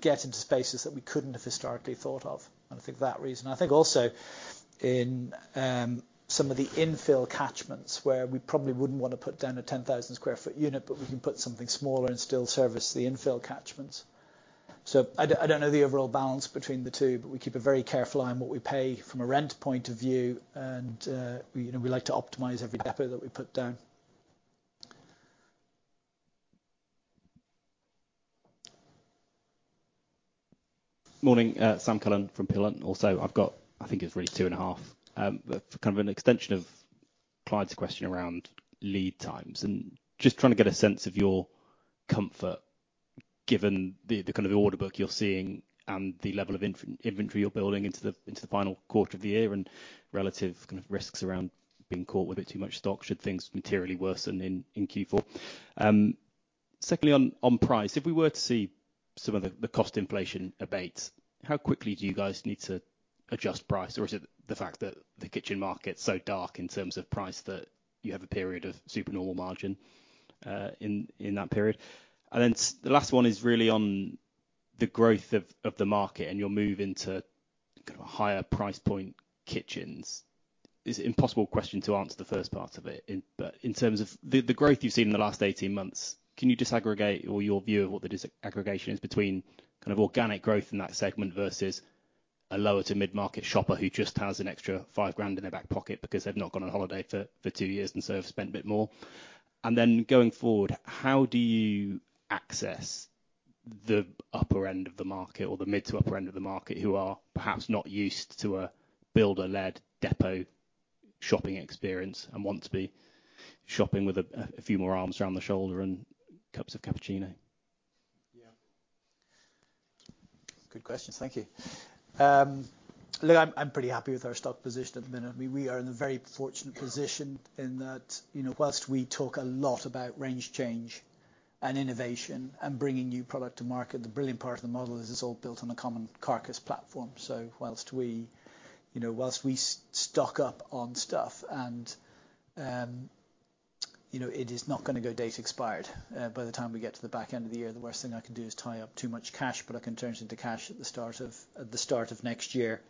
Speaker 1: get into spaces that we couldn't have historically thought of. I think also in some of the infill catchments where we probably wouldn't wanna put down a 10,000 sq ft unit, but we can put something smaller and still service the infill catchments. I don't know the overall balance between the two, but we keep a very careful eye on what we pay from a rent point of view and, you know, we like to optimize every depot that we put down.
Speaker 8: Morning, Sam Cullen from Peel Hunt. Also, I've got, I think it's really two and a half, but for kind of an extension of Clyde's question around lead times and just trying to get a sense of your comfort. Given the kind of order book you're seeing and the level of inventory you're building into the final quarter of the year and relative kind of risks around being caught with a bit too much stock should things materially worsen in Q4. Secondly on price. If we were to see some of the cost inflation abate, how quickly do you guys need to adjust price? Or is it the fact that the kitchen market's so dark in terms of price that you have a period of super normal margin in that period? The last one is really on the growth of the market and your move into kind of higher price point kitchens. It's an impossible question to answer the first part of it, but in terms of the growth you've seen in the last 18 months, can you disaggregate, or your view of what the disaggregation is between kind of organic growth in that segment versus a lower to mid-market shopper who just has an extra 5,000 in their back pocket because they've not gone on holiday for two years and so have spent a bit more? Then going forward, how do you access the upper end of the market or the mid to upper end of the market who are perhaps not used to a builder-led depot shopping experience and want to be shopping with a few more arms around the shoulder and cups of cappuccino?
Speaker 1: Yeah. Good questions. Thank you. Look, I'm pretty happy with our stock position at the minute. I mean, we are in a very fortunate position in that, you know, whilst we talk a lot about range change and innovation and bringing new product to market, the brilliant part of the model is it's all built on a common carcass platform. So whilst we, you know, stock up on stuff and, you know, it is not gonna go date expired by the time we get to the back end of the year. The worst thing I can do is tie up too much cash, but I can turn it into cash at the start of next year.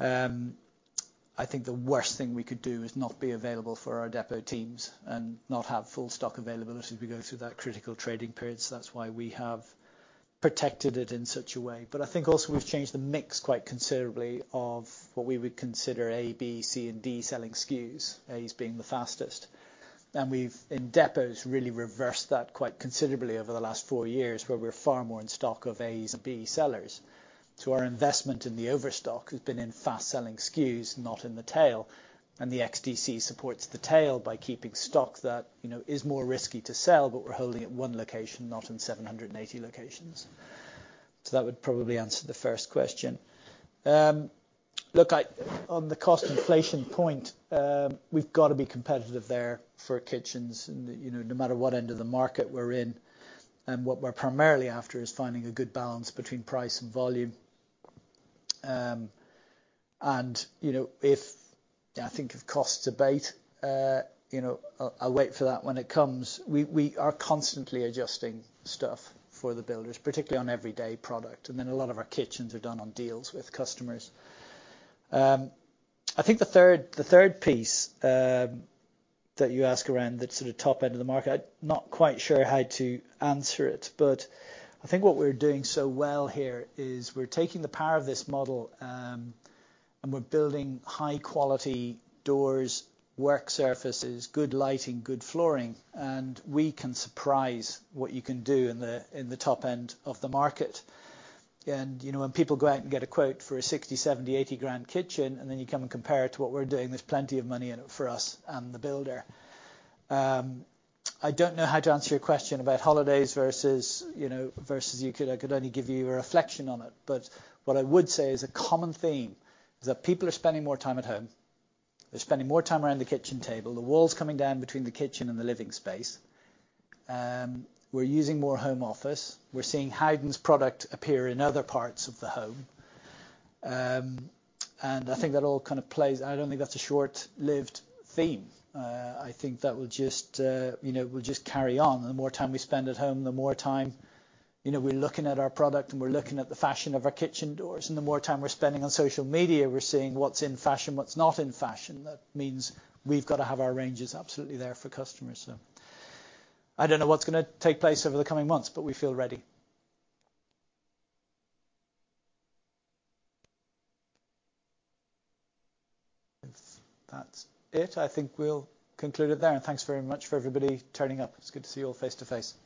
Speaker 1: I think the worst thing we could do is not be available for our depot teams and not have full stock availability as we go through that critical trading period, so that's why we have protected it in such a way. I think also we've changed the mix quite considerably of what we would consider A, B, C, and D selling SKUs, A's being the fastest. We've, in depots, really reversed that quite considerably over the last four years, where we're far more in stock of A's and B sellers. Our investment in the overstock has been in fast-selling SKUs, not in the tail, and the XDC supports the tail by keeping stock that, you know, is more risky to sell, but we're holding at one location, not in 780 locations. That would probably answer the first question. Look, on the cost inflation point, we've gotta be competitive there for kitchens and, you know, no matter what end of the market we're in and what we're primarily after is finding a good balance between price and volume. You know, if I think of cost debate, I'll wait for that when it comes. We are constantly adjusting stuff for the builders, particularly on everyday product, and then a lot of our kitchens are done on deals with customers. I think the third piece that you ask around the sort of top end of the market. Not quite sure how to answer it, but I think what we're doing so well here is we're taking the power of this model, and we're building high quality doors, work surfaces, good lighting, good flooring, and we can surprise what you can do in the top end of the market. You know, when people go out and get a quote for a 60, 70, 80 grand kitchen, and then you come and compare it to what we're doing, there's plenty of money in it for us and the builder. I don't know how to answer your question about holidays versus, you know. I could only give you a reflection on it. What I would say is a common theme is that people are spending more time at home. They're spending more time around the kitchen table, the walls coming down between the kitchen and the living space. We're using more home office. We're seeing Howdens' product appear in other parts of the home. I think that all kind of plays. I don't think that's a short-lived theme. I think that will just, you know, carry on. The more time we spend at home, the more time, you know, we're looking at our product, and we're looking at the fashion of our kitchen doors. The more time we're spending on social media, we're seeing what's in fashion, what's not in fashion. That means we've got to have our ranges absolutely there for customers. I don't know what's gonna take place over the coming months, but we feel ready. If that's it, I think we'll conclude it there. Thanks very much for everybody turning up. It's good to see you all face to face.
Speaker 8: Thank you.